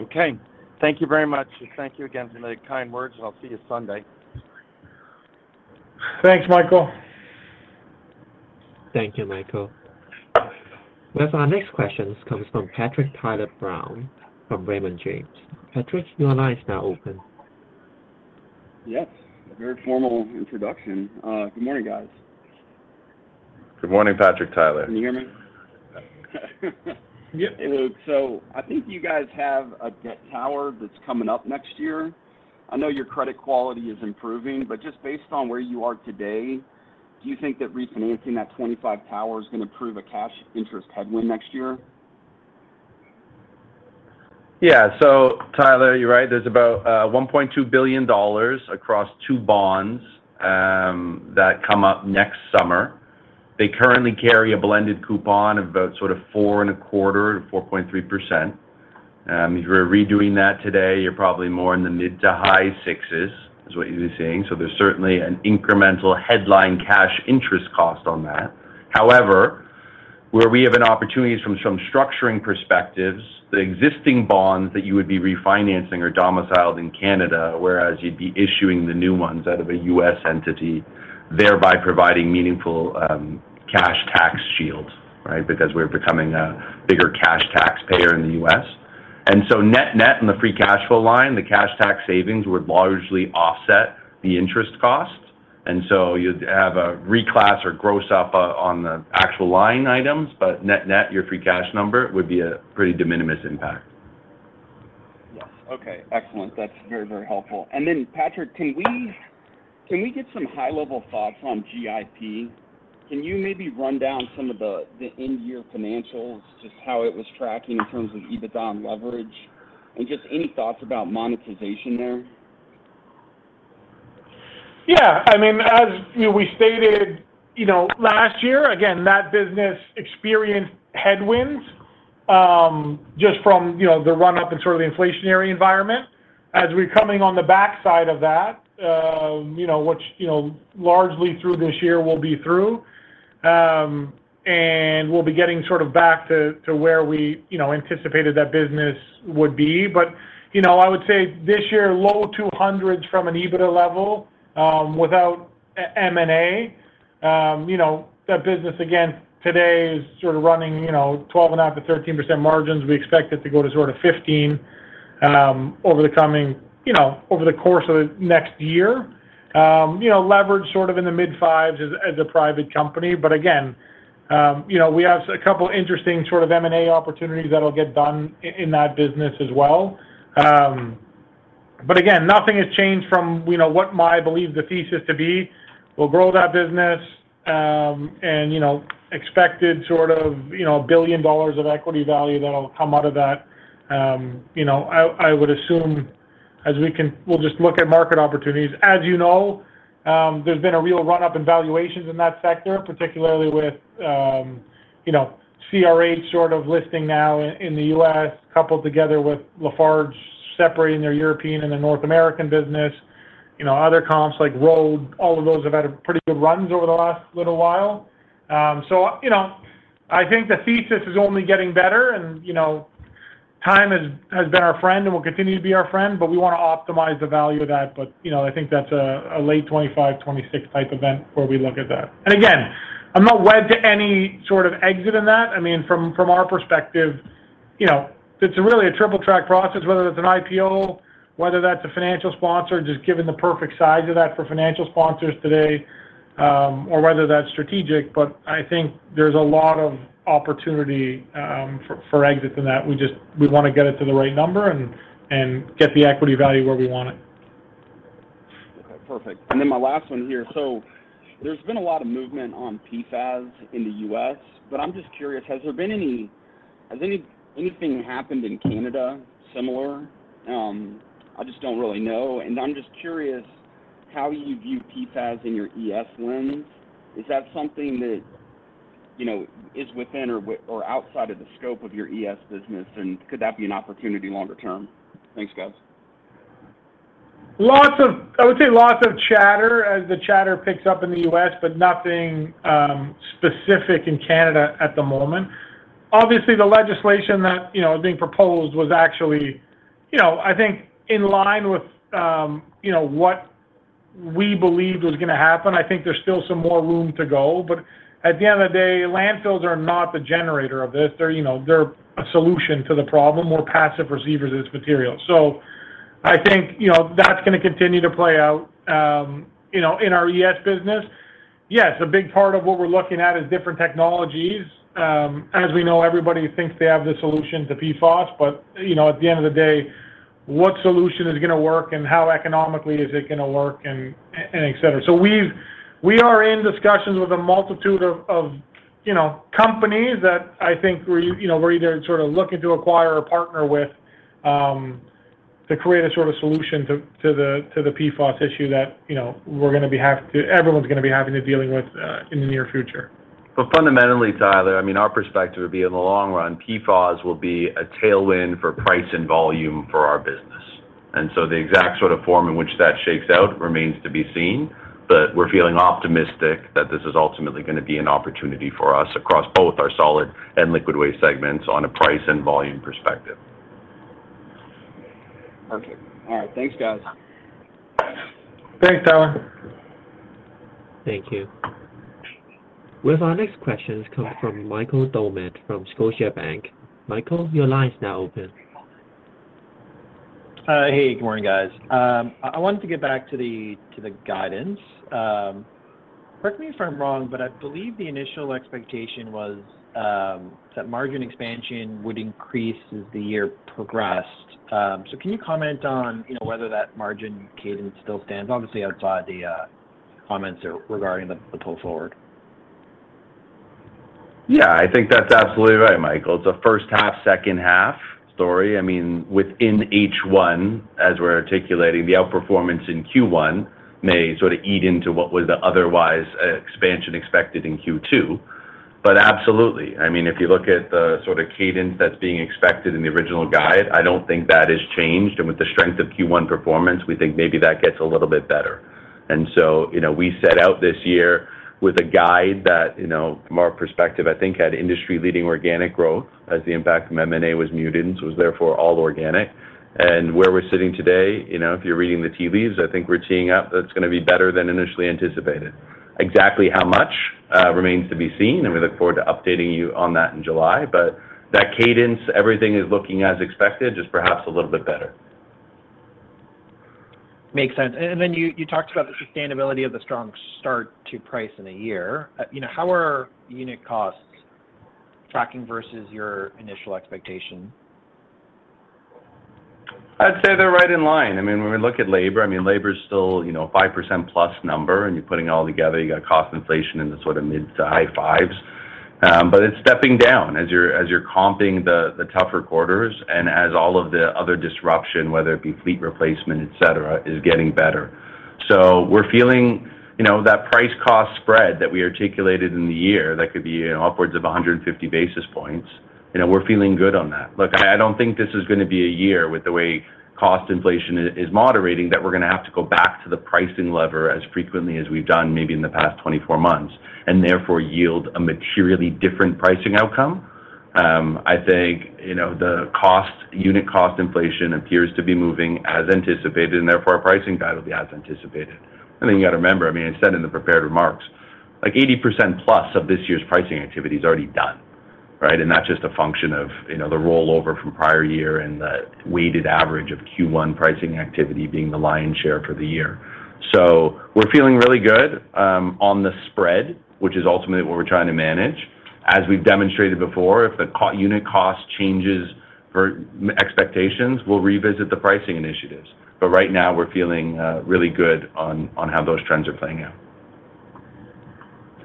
Okay. Thank you very much. Thank you again for the kind words, and I'll see you Sunday. Thanks, Michael. Thank you, Michael. With our next question, this comes from Patrick Tyler Brown from Raymond James. Patrick, your line is now open. Yes. A very formal introduction. Good morning, guys. Good morning, Patrick Tyler. Can you hear me? Yep. Hey, Luke. So I think you guys have a debt tower that's coming up next year. I know your credit quality is improving, but just based on where you are today, do you think that refinancing that 25 tower is going to prove a cash interest headwind next year? Yeah. So Tyler, you're right. There's about $1.2 billion across two bonds that come up next summer. They currently carry a blended coupon of about sort of 4.25%-4.3%. If we're redoing that today, you're probably more in the mid- to high-6% is what you'll be seeing. So there's certainly an incremental headline cash interest cost on that. However, where we have an opportunity from some structuring perspectives, the existing bonds that you would be refinancing are domiciled in Canada, whereas you'd be issuing the new ones out of a U.S. entity, thereby providing meaningful cash tax shield, right, because we're becoming a bigger cash tax payer in the U.S. And so net-net on the free cash flow line, the cash tax savings would largely offset the interest cost. And so you'd have a reclass or gross up on the actual line items, but net-net, your free cash number would be a pretty de minimis impact. Yes. Okay. Excellent. That's very, very helpful. And then, Patrick, can we get some high-level thoughts on GIP? Can you maybe run down some of the end-year financials, just how it was tracking in terms of EBITDA on leverage, and just any thoughts about monetization there? Yeah. I mean, as we stated last year, again, that business experienced headwinds just from the run-up and sort of the inflationary environment. As we're coming on the backside of that, which largely through this year will be through, and we'll be getting sort of back to where we anticipated that business would be. But I would say this year, low 200s from an EBITDA level without M&A. That business, again, today is sort of running 12.5%-13% margins. We expect it to go to sort of 15% over the course of the next year. Leveraged sort of in the mid-5s as a private company. But again, we have a couple of interesting sort of M&A opportunities that'll get done in that business as well. But again, nothing has changed from what I believe the thesis to be. We'll grow that business and expect sort of $1 billion of equity value that'll come out of that. I would assume as we can we'll just look at market opportunities. As you know, there's been a real run-up in valuations in that sector, particularly with CRH sort of listing now in the U.S., coupled together with Lafarge separating their European and their North American business. Other comps like ROAD, all of those have had pretty good runs over the last little while. So I think the thesis is only getting better, and time has been our friend and will continue to be our friend, but we want to optimize the value of that. But I think that's a late 2025, 2026 type event where we look at that. And again, I'm not wed to any sort of exit in that. I mean, from our perspective, it's really a triple-track process, whether that's an IPO, whether that's a financial sponsor, just given the perfect size of that for financial sponsors today, or whether that's strategic. But I think there's a lot of opportunity for exits in that. We want to get it to the right number and get the equity value where we want it. Okay. Perfect. And then my last one here. So there's been a lot of movement on PFAS in the U.S., but I'm just curious, has there been anything happened in Canada similar? I just don't really know. And I'm just curious how you view PFAS in your ES lens. Is that something that is within or outside of the scope of your ES business, and could that be an opportunity longer term? Thanks, guys. Lots of, I would say, lots of chatter as the chatter picks up in the U.S., but nothing specific in Canada at the moment. Obviously, the legislation that is being proposed was actually, I think, in line with what we believed was going to happen. I think there's still some more room to go. But at the end of the day, landfills are not the generator of this. They're a solution to the problem. We're passive receivers of this material. So I think that's going to continue to play out in our ES business. Yes, a big part of what we're looking at is different technologies. As we know, everybody thinks they have the solution to PFAS, but at the end of the day, what solution is going to work, and how economically is it going to work, and etc.? We are in discussions with a multitude of companies that I think we're either sort of looking to acquire or partner with to create a sort of solution to the PFAS issue that we're going to be having to everyone's going to be having to deal with in the near future. But fundamentally, Tyler, I mean, our perspective would be in the long run, PFAS will be a tailwind for price and volume for our business. And so the exact sort of form in which that shakes out remains to be seen, but we're feeling optimistic that this is ultimately going to be an opportunity for us across both our solid and liquid waste segments on a price and volume perspective. Perfect. All right. Thanks, guys. Thanks, Tyler. Thank you. With our next question, this comes from Michael Doumet from Scotiabank. Michael, your line is now open. Hey. Good morning, guys. I wanted to get back to the guidance. Correct me if I'm wrong, but I believe the initial expectation was that margin expansion would increase as the year progressed. So can you comment on whether that margin cadence still stands, obviously, outside the comments regarding the pull forward? Yeah. I think that's absolutely right, Michael. It's a first-half, second-half story. I mean, within H1, as we're articulating, the outperformance in Q1 may sort of eat into what was the otherwise expansion expected in Q2. But absolutely. I mean, if you look at the sort of cadence that's being expected in the original guide, I don't think that has changed. And with the strength of Q1 performance, we think maybe that gets a little bit better. And so we set out this year with a guide that, from our perspective, I think had industry-leading organic growth as the impact of M&A was muted and was therefore all organic. And where we're sitting today, if you're reading the tea leaves, I think we're teeing up. That's going to be better than initially anticipated. Exactly how much remains to be seen, and we look forward to updating you on that in July. But that cadence, everything is looking as expected, just perhaps a little bit better. Makes sense. Then you talked about the sustainability of the strong start to pricing in a year. How are unit costs tracking versus your initial expectation? I'd say they're right in line. I mean, when we look at labor, I mean, labor's still a 5%-plus number, and you're putting it all together, you got cost inflation in the sort of mid- to high 5s. But it's stepping down as you're comping the tougher quarters and as all of the other disruption, whether it be fleet replacement, etc., is getting better. So we're feeling that price-cost spread that we articulated in the year that could be upwards of 150 basis points, we're feeling good on that. Look, I don't think this is going to be a year with the way cost inflation is moderating that we're going to have to go back to the pricing lever as frequently as we've done maybe in the past 24 months and therefore yield a materially different pricing outcome. I think the unit cost inflation appears to be moving as anticipated, and therefore our pricing guide will be as anticipated. And then you got to remember, I mean, I said in the prepared remarks, 80%+ of this year's pricing activity is already done, right? And that's just a function of the rollover from prior year and the weighted average of Q1 pricing activity being the lion's share for the year. So we're feeling really good on the spread, which is ultimately what we're trying to manage. As we've demonstrated before, if the unit cost changes expectations, we'll revisit the pricing initiatives. But right now, we're feeling really good on how those trends are playing out.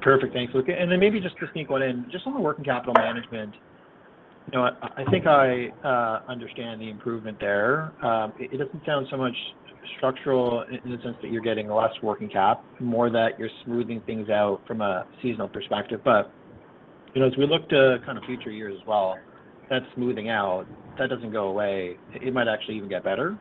Perfect. Thanks, Luke. And then maybe just to sneak one in, just on the working capital management, I think I understand the improvement there. It doesn't sound so much structural in the sense that you're getting less working cap, more that you're smoothing things out from a seasonal perspective. But as we look to kind of future years as well, that smoothing out, that doesn't go away. It might actually even get better.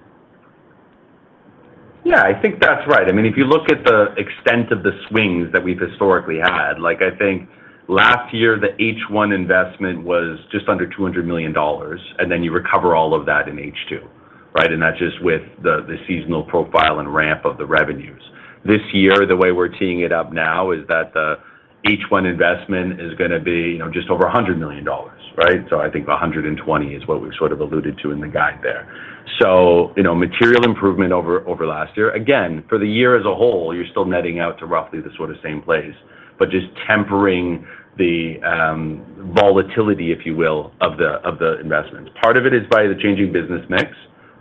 Yeah. I think that's right. I mean, if you look at the extent of the swings that we've historically had, I think last year, the H1 investment was just under 200 million dollars, and then you recover all of that in H2, right? And that's just with the seasonal profile and ramp of the revenues. This year, the way we're teeing it up now is that the H1 investment is going to be just over 100 million dollars, right? So I think 120 is what we've sort of alluded to in the guide there. So material improvement over last year. Again, for the year as a whole, you're still netting out to roughly the sort of same place, but just tempering the volatility, if you will, of the investments. Part of it is by the changing business mix.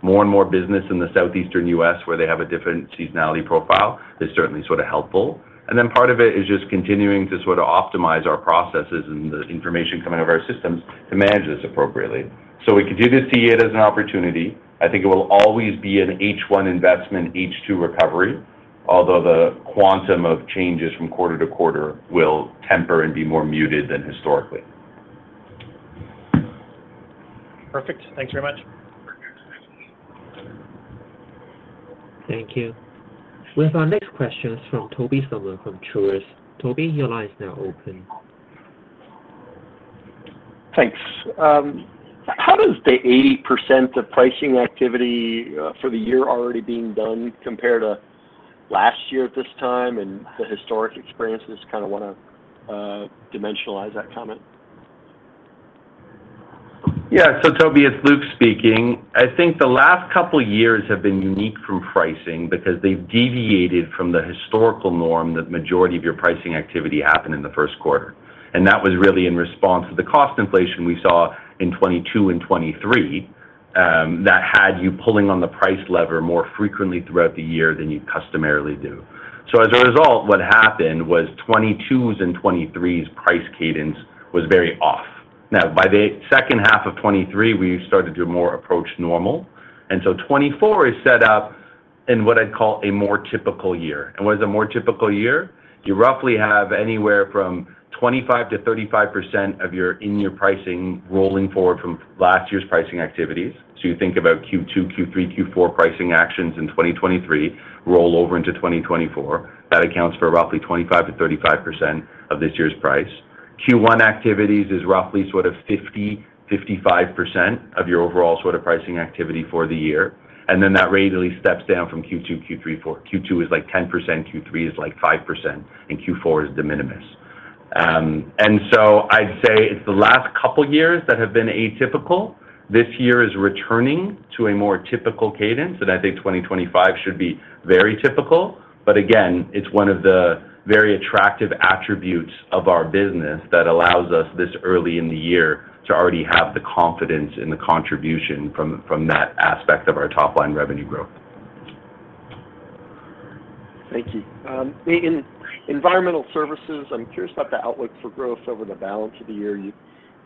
More and more business in the Southeastern U.S. where they have a different seasonality profile is certainly sort of helpful. And then part of it is just continuing to sort of optimize our processes and the information coming out of our systems to manage this appropriately. So we could do this to you as an opportunity. I think it will always be an H1 investment, H2 recovery, although the quantum of changes from quarter to quarter will temper and be more muted than historically. Perfect. Thanks very much. Thank you. With our next question is from Tobey Sommer from Truist Securities. Tobey, your line is now open. Thanks. How does the 80% of pricing activity for the year already being done compare to last year at this time and the historic experiences? Kind of want to dimensionalize that comment. Yeah. So Tobey, it's Luke speaking. I think the last couple of years have been unique from pricing because they've deviated from the historical norm that majority of your pricing activity happened in the Q1. And that was really in response to the cost inflation we saw in 2022 and 2023 that had you pulling on the price lever more frequently throughout the year than you customarily do. So as a result, what happened was 2022's and 2023's price cadence was very off. Now, by the second half of 2023, we started to more approach normal. And so 2024 is set up in what I'd call a more typical year. And what is a more typical year? You roughly have anywhere from 25%-35% of your in-year pricing rolling forward from last year's pricing activities. So you think about Q2, Q3, Q4 pricing actions in 2023 roll over into 2024. That accounts for roughly 25%-35% of this year's pricing. Q1 activities is roughly sort of 50%-55% of your overall sort of pricing activity for the year. And then that rapidly steps down from Q2, Q3, Q4. Q2 is like 10%, Q3 is like 5%, and Q4 is de minimis. And so I'd say it's the last couple of years that have been atypical. This year is returning to a more typical cadence, and I think 2025 should be very typical. But again, it's one of the very attractive attributes of our business that allows us this early in the year to already have the confidence in the contribution from that aspect of our top-line revenue growth. Thank you. In environmental services, I'm curious about the outlook for growth over the balance of the year. You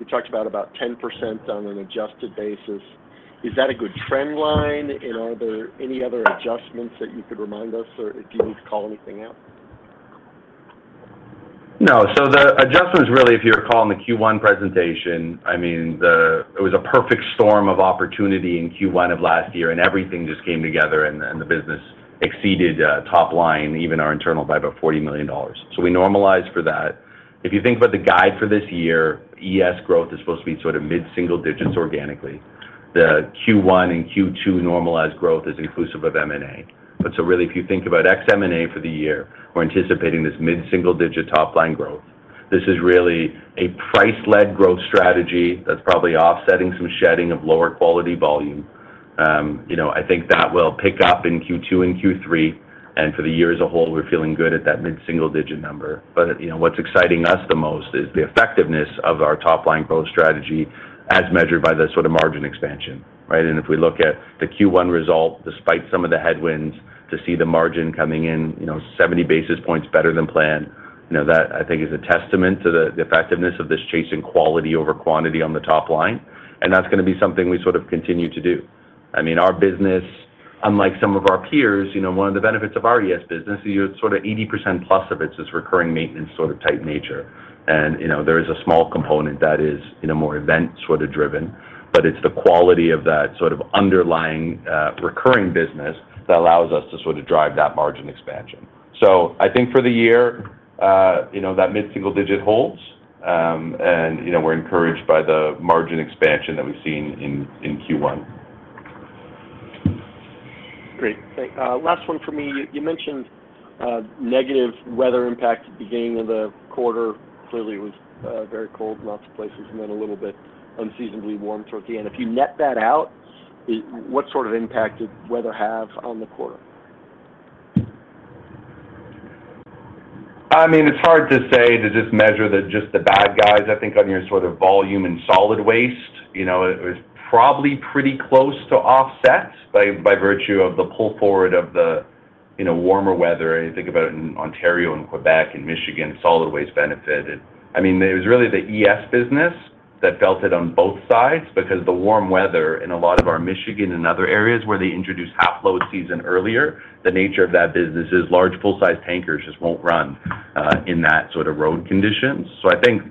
talked about 10% on an adjusted basis. Is that a good trend line, and are there any other adjustments that you could remind us, or do you need to call anything out? No. So the adjustments, really, if you recall in the Q1 presentation, I mean, it was a perfect storm of opportunity in Q1 of last year, and everything just came together, and the business exceeded top line, even our internal, by about $40 million. So we normalized for that. If you think about the guide for this year, ES growth is supposed to be sort of mid-single digits organically. The Q1 and Q2 normalized growth is inclusive of M&A. But so really, if you think about ex-M&A for the year, we're anticipating this mid-single digit top-line growth. This is really a price-led growth strategy that's probably offsetting some shedding of lower quality volume. I think that will pick up in Q2 and Q3. And for the year as a whole, we're feeling good at that mid-single digit number. But what's exciting us the most is the effectiveness of our top-line growth strategy as measured by the sort of margin expansion, right? If we look at the Q1 result, despite some of the headwinds, to see the margin coming in 70 basis points better than planned, that, I think, is a testament to the effectiveness of this chasing quality over quantity on the top line. And that's going to be something we sort of continue to do. I mean, our business, unlike some of our peers, one of the benefits of our ES business is sort of 80%+ of it's this recurring maintenance sort of type nature. There is a small component that is more event sort of driven, but it's the quality of that sort of underlying recurring business that allows us to sort of drive that margin expansion. I think for the year, that mid-single digit holds, and we're encouraged by the margin expansion that we've seen in Q1. Great. Thanks. Last one for me. You mentioned negative weather impact at the beginning of the quarter. Clearly, it was very cold in lots of places and then a little bit unseasonably warm towards the end. If you net that out, what sort of impact did weather have on the quarter? I mean, it's hard to say to just measure just the bad guys. I think on your sort of volume and solid waste, it was probably pretty close to offset by virtue of the pull forward of the warmer weather. And you think about it in Ontario and Quebec and Michigan, solid waste benefited. I mean, it was really the ES business that felt it on both sides because the warm weather in a lot of our Michigan and other areas where they introduced half-load season earlier, the nature of that business is large full-size tankers just won't run in that sort of road conditions. So I think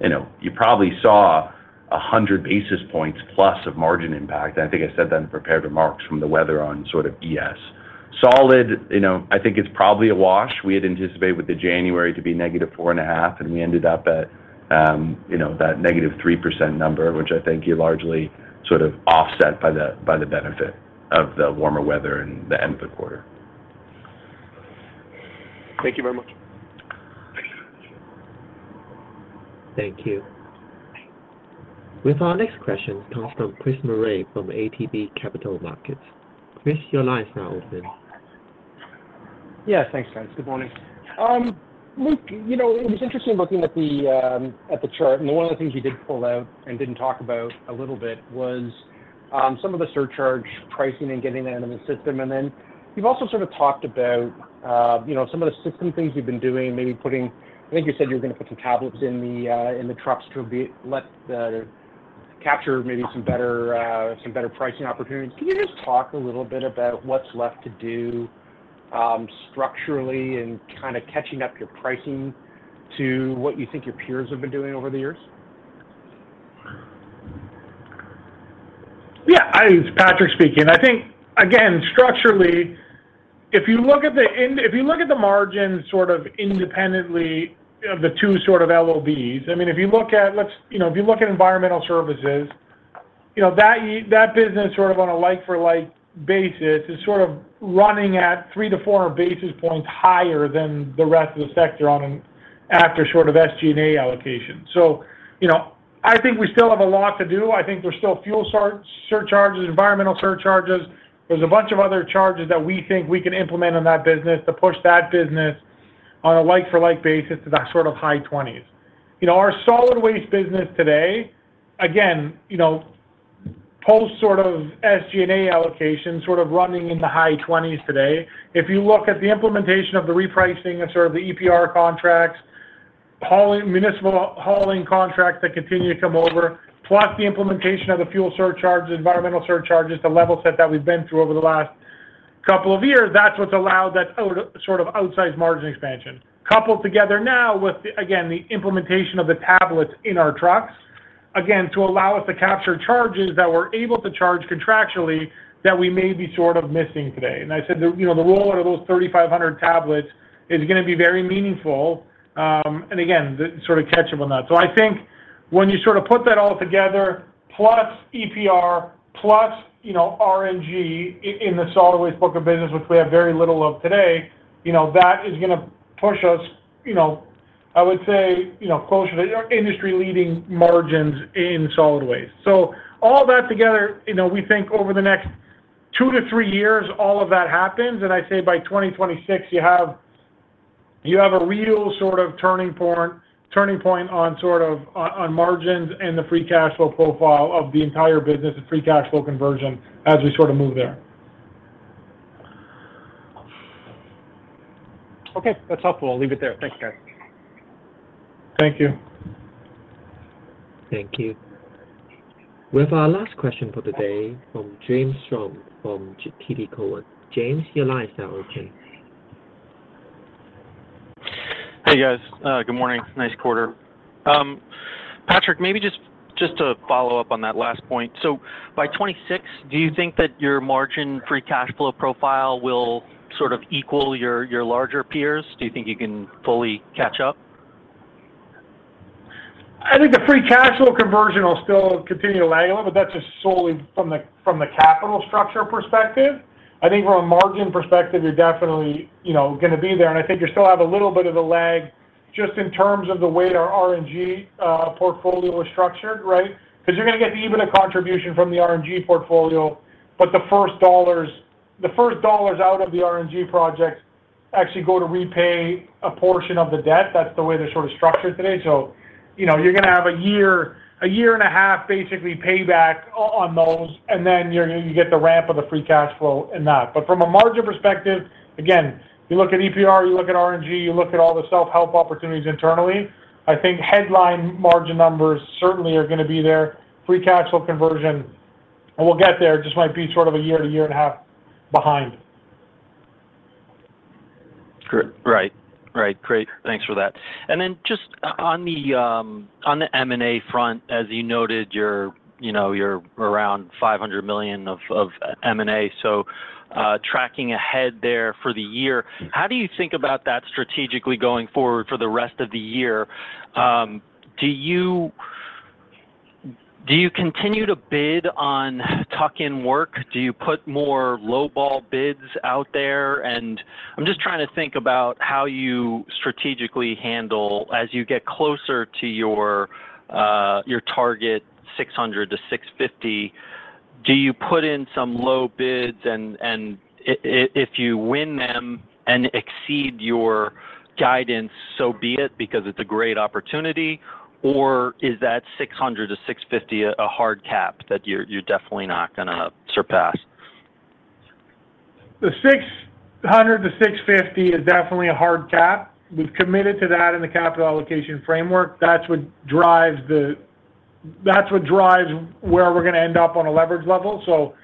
you probably saw 100 basis points+ of margin impact. And I think I said that in the prepared remarks from the weather on sort of ES. Solid, I think it's probably a wash. We had anticipated with the January to be -4.5, and we ended up at that -3% number, which I think you're largely sort of offset by the benefit of the warmer weather and the end of the quarter. Thank you very much. Thank you. With our next question comes from Chris Murray from ATB Capital Markets. Chris, your line is now open. Yeah. Thanks, guys. Good morning. Luke, it was interesting looking at the chart. One of the things we did pull out and didn't talk about a little bit was some of the surcharge pricing and getting that into the system. Then you've also sort of talked about some of the system things you've been doing, maybe putting, I think you said you were going to put, some tablets in the trucks to capture maybe some better pricing opportunities. Can you just talk a little bit about what's left to do structurally and kind of catching up your pricing to what you think your peers have been doing over the years? Yeah. It's Patrick speaking. I think, again, structurally, if you look at the margins sort of independently of the two sort of LOBs, I mean, if you look at environmental services, that business sort of on a like-for-like basis is sort of running at 3-4 basis points higher than the rest of the sector after sort of SG&A allocation. So I think we still have a lot to do. I think there's still fuel surcharges, environmental surcharges. There's a bunch of other charges that we think we can implement on that business to push that business on a like-for-like basis to that sort of high 20s. Our solid waste business today, again, post-sort of SG&A allocation, sort of running in the high 20s today. If you look at the implementation of the repricing of sort of the EPR contracts, municipal hauling contracts that continue to come over, plus the implementation of the fuel surcharges, environmental surcharges, the level set that we've been through over the last couple of years, that's what's allowed that sort of outsized margin expansion. Coupled together now with, again, the implementation of the tablets in our trucks, again, to allow us to capture charges that we're able to charge contractually that we may be sort of missing today. And I said the rollout of those 3,500 tablets is going to be very meaningful and, again, sort of catchable in that. So I think when you sort of put that all together plus EPR plus RNG in the solid waste book of business, which we have very little of today, that is going to push us, I would say, closer to industry-leading margins in solid waste. So all that together, we think over the next 2-3 years, all of that happens. And I say by 2026, you have a real sort of turning point on sort of margins and the free cash flow profile of the entire business and free cash flow conversion as we sort of move there. Okay. That's helpful. I'll leave it there. Thanks, guys. Thank you. Thank you. With our last question for the day from James Schumm from TD Cowen. James, your line is now open. Hey, guys. Good morning. Nice quarter. Patrick, maybe just to follow up on that last point. So by 2026, do you think that your margin free cash flow profile will sort of equal your larger peers? Do you think you can fully catch up? I think the free cash flow conversion will still continue to lag a little, but that's just solely from the capital structure perspective. I think from a margin perspective, you're definitely going to be there. I think you still have a little bit of a lag just in terms of the way our RNG portfolio is structured, right? Because you're going to get the EBITDA contribution from the RNG portfolio, but the first dollars out of the RNG projects actually go to repay a portion of the debt. That's the way they're sort of structured today. So you're going to have a 1.5-year basically payback on those, and then you get the ramp of the free cash flow in that. But from a margin perspective, again, you look at EPR, you look at RNG, you look at all the self-help opportunities internally. I think headline margin numbers certainly are going to be there. Free cash flow conversion, we'll get there. It just might be sort of a year to year and a half behind. Great. Right. Right. Great. Thanks for that. And then just on the M&A front, as you noted, you're around 500 million of M&A. So tracking ahead there for the year, how do you think about that strategically going forward for the rest of the year? Do you continue to bid on tuck-in work? Do you put more low-ball bids out there? And I'm just trying to think about how you strategically handle as you get closer to your target 600 million-650 million. Do you put in some low bids, and if you win them and exceed your guidance, so be it because it's a great opportunity, or is that 600 million-650 million a hard cap that you're definitely not going to surpass? The 600-650 is definitely a hard cap. We've committed to that in the capital allocation framework. That's what drives where we're going to end up on a leverage level. So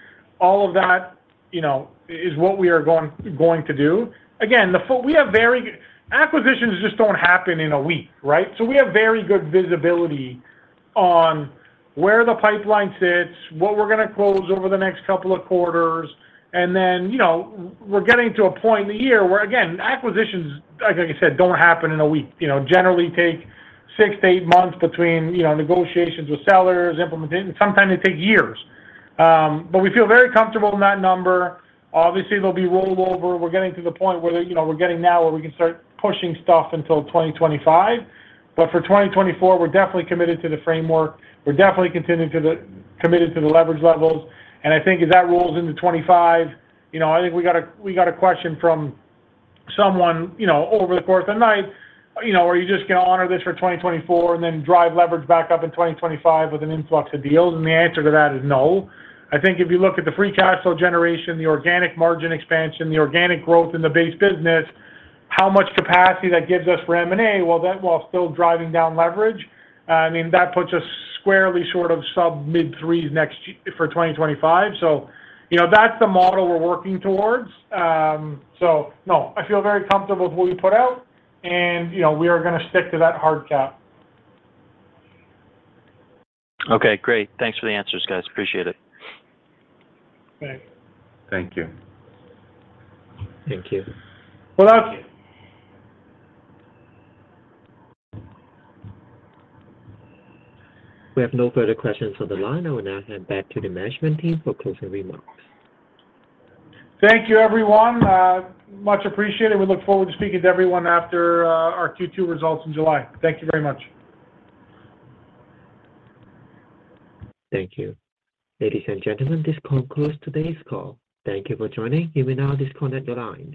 all of that is what we are going to do. Again, we have very good acquisitions just don't happen in a week, right? So we have very good visibility on where the pipeline sits, what we're going to close over the next couple of quarters. And then we're getting to a point in the year where, again, acquisitions, like I said, don't happen in a week. Generally, take 6-8 months between negotiations with sellers, implementation. Sometimes it takes years. But we feel very comfortable in that number. Obviously, there'll be rollover. We're getting to the point now where we can start pushing stuff until 2025. But for 2024, we're definitely committed to the framework. We're definitely committed to the leverage levels. And I think as that rolls into 2025, I think we got a question from someone over the course of the night, "Are you just going to honor this for 2024 and then drive leverage back up in 2025 with an influx of deals?" And the answer to that is no. I think if you look at the free cash flow generation, the organic margin expansion, the organic growth in the base business, how much capacity that gives us for M&A while still driving down leverage, I mean, that puts us squarely sort of sub-mid-threes for 2025. So that's the model we're working towards. So no, I feel very comfortable with what we put out, and we are going to stick to that hard cap. Okay. Great. Thanks for the answers, guys. Appreciate it. Thanks. Thank you. Thank you. Well, thank you. We have no further questions on the line. I will now hand back to the management team for closing remarks. Thank you, everyone. Much appreciated. We look forward to speaking to everyone after our Q2 results in July. Thank you very much. Thank you. Ladies and gentlemen, this concludes today's call. Thank you for joining. You may now disconnect your lines.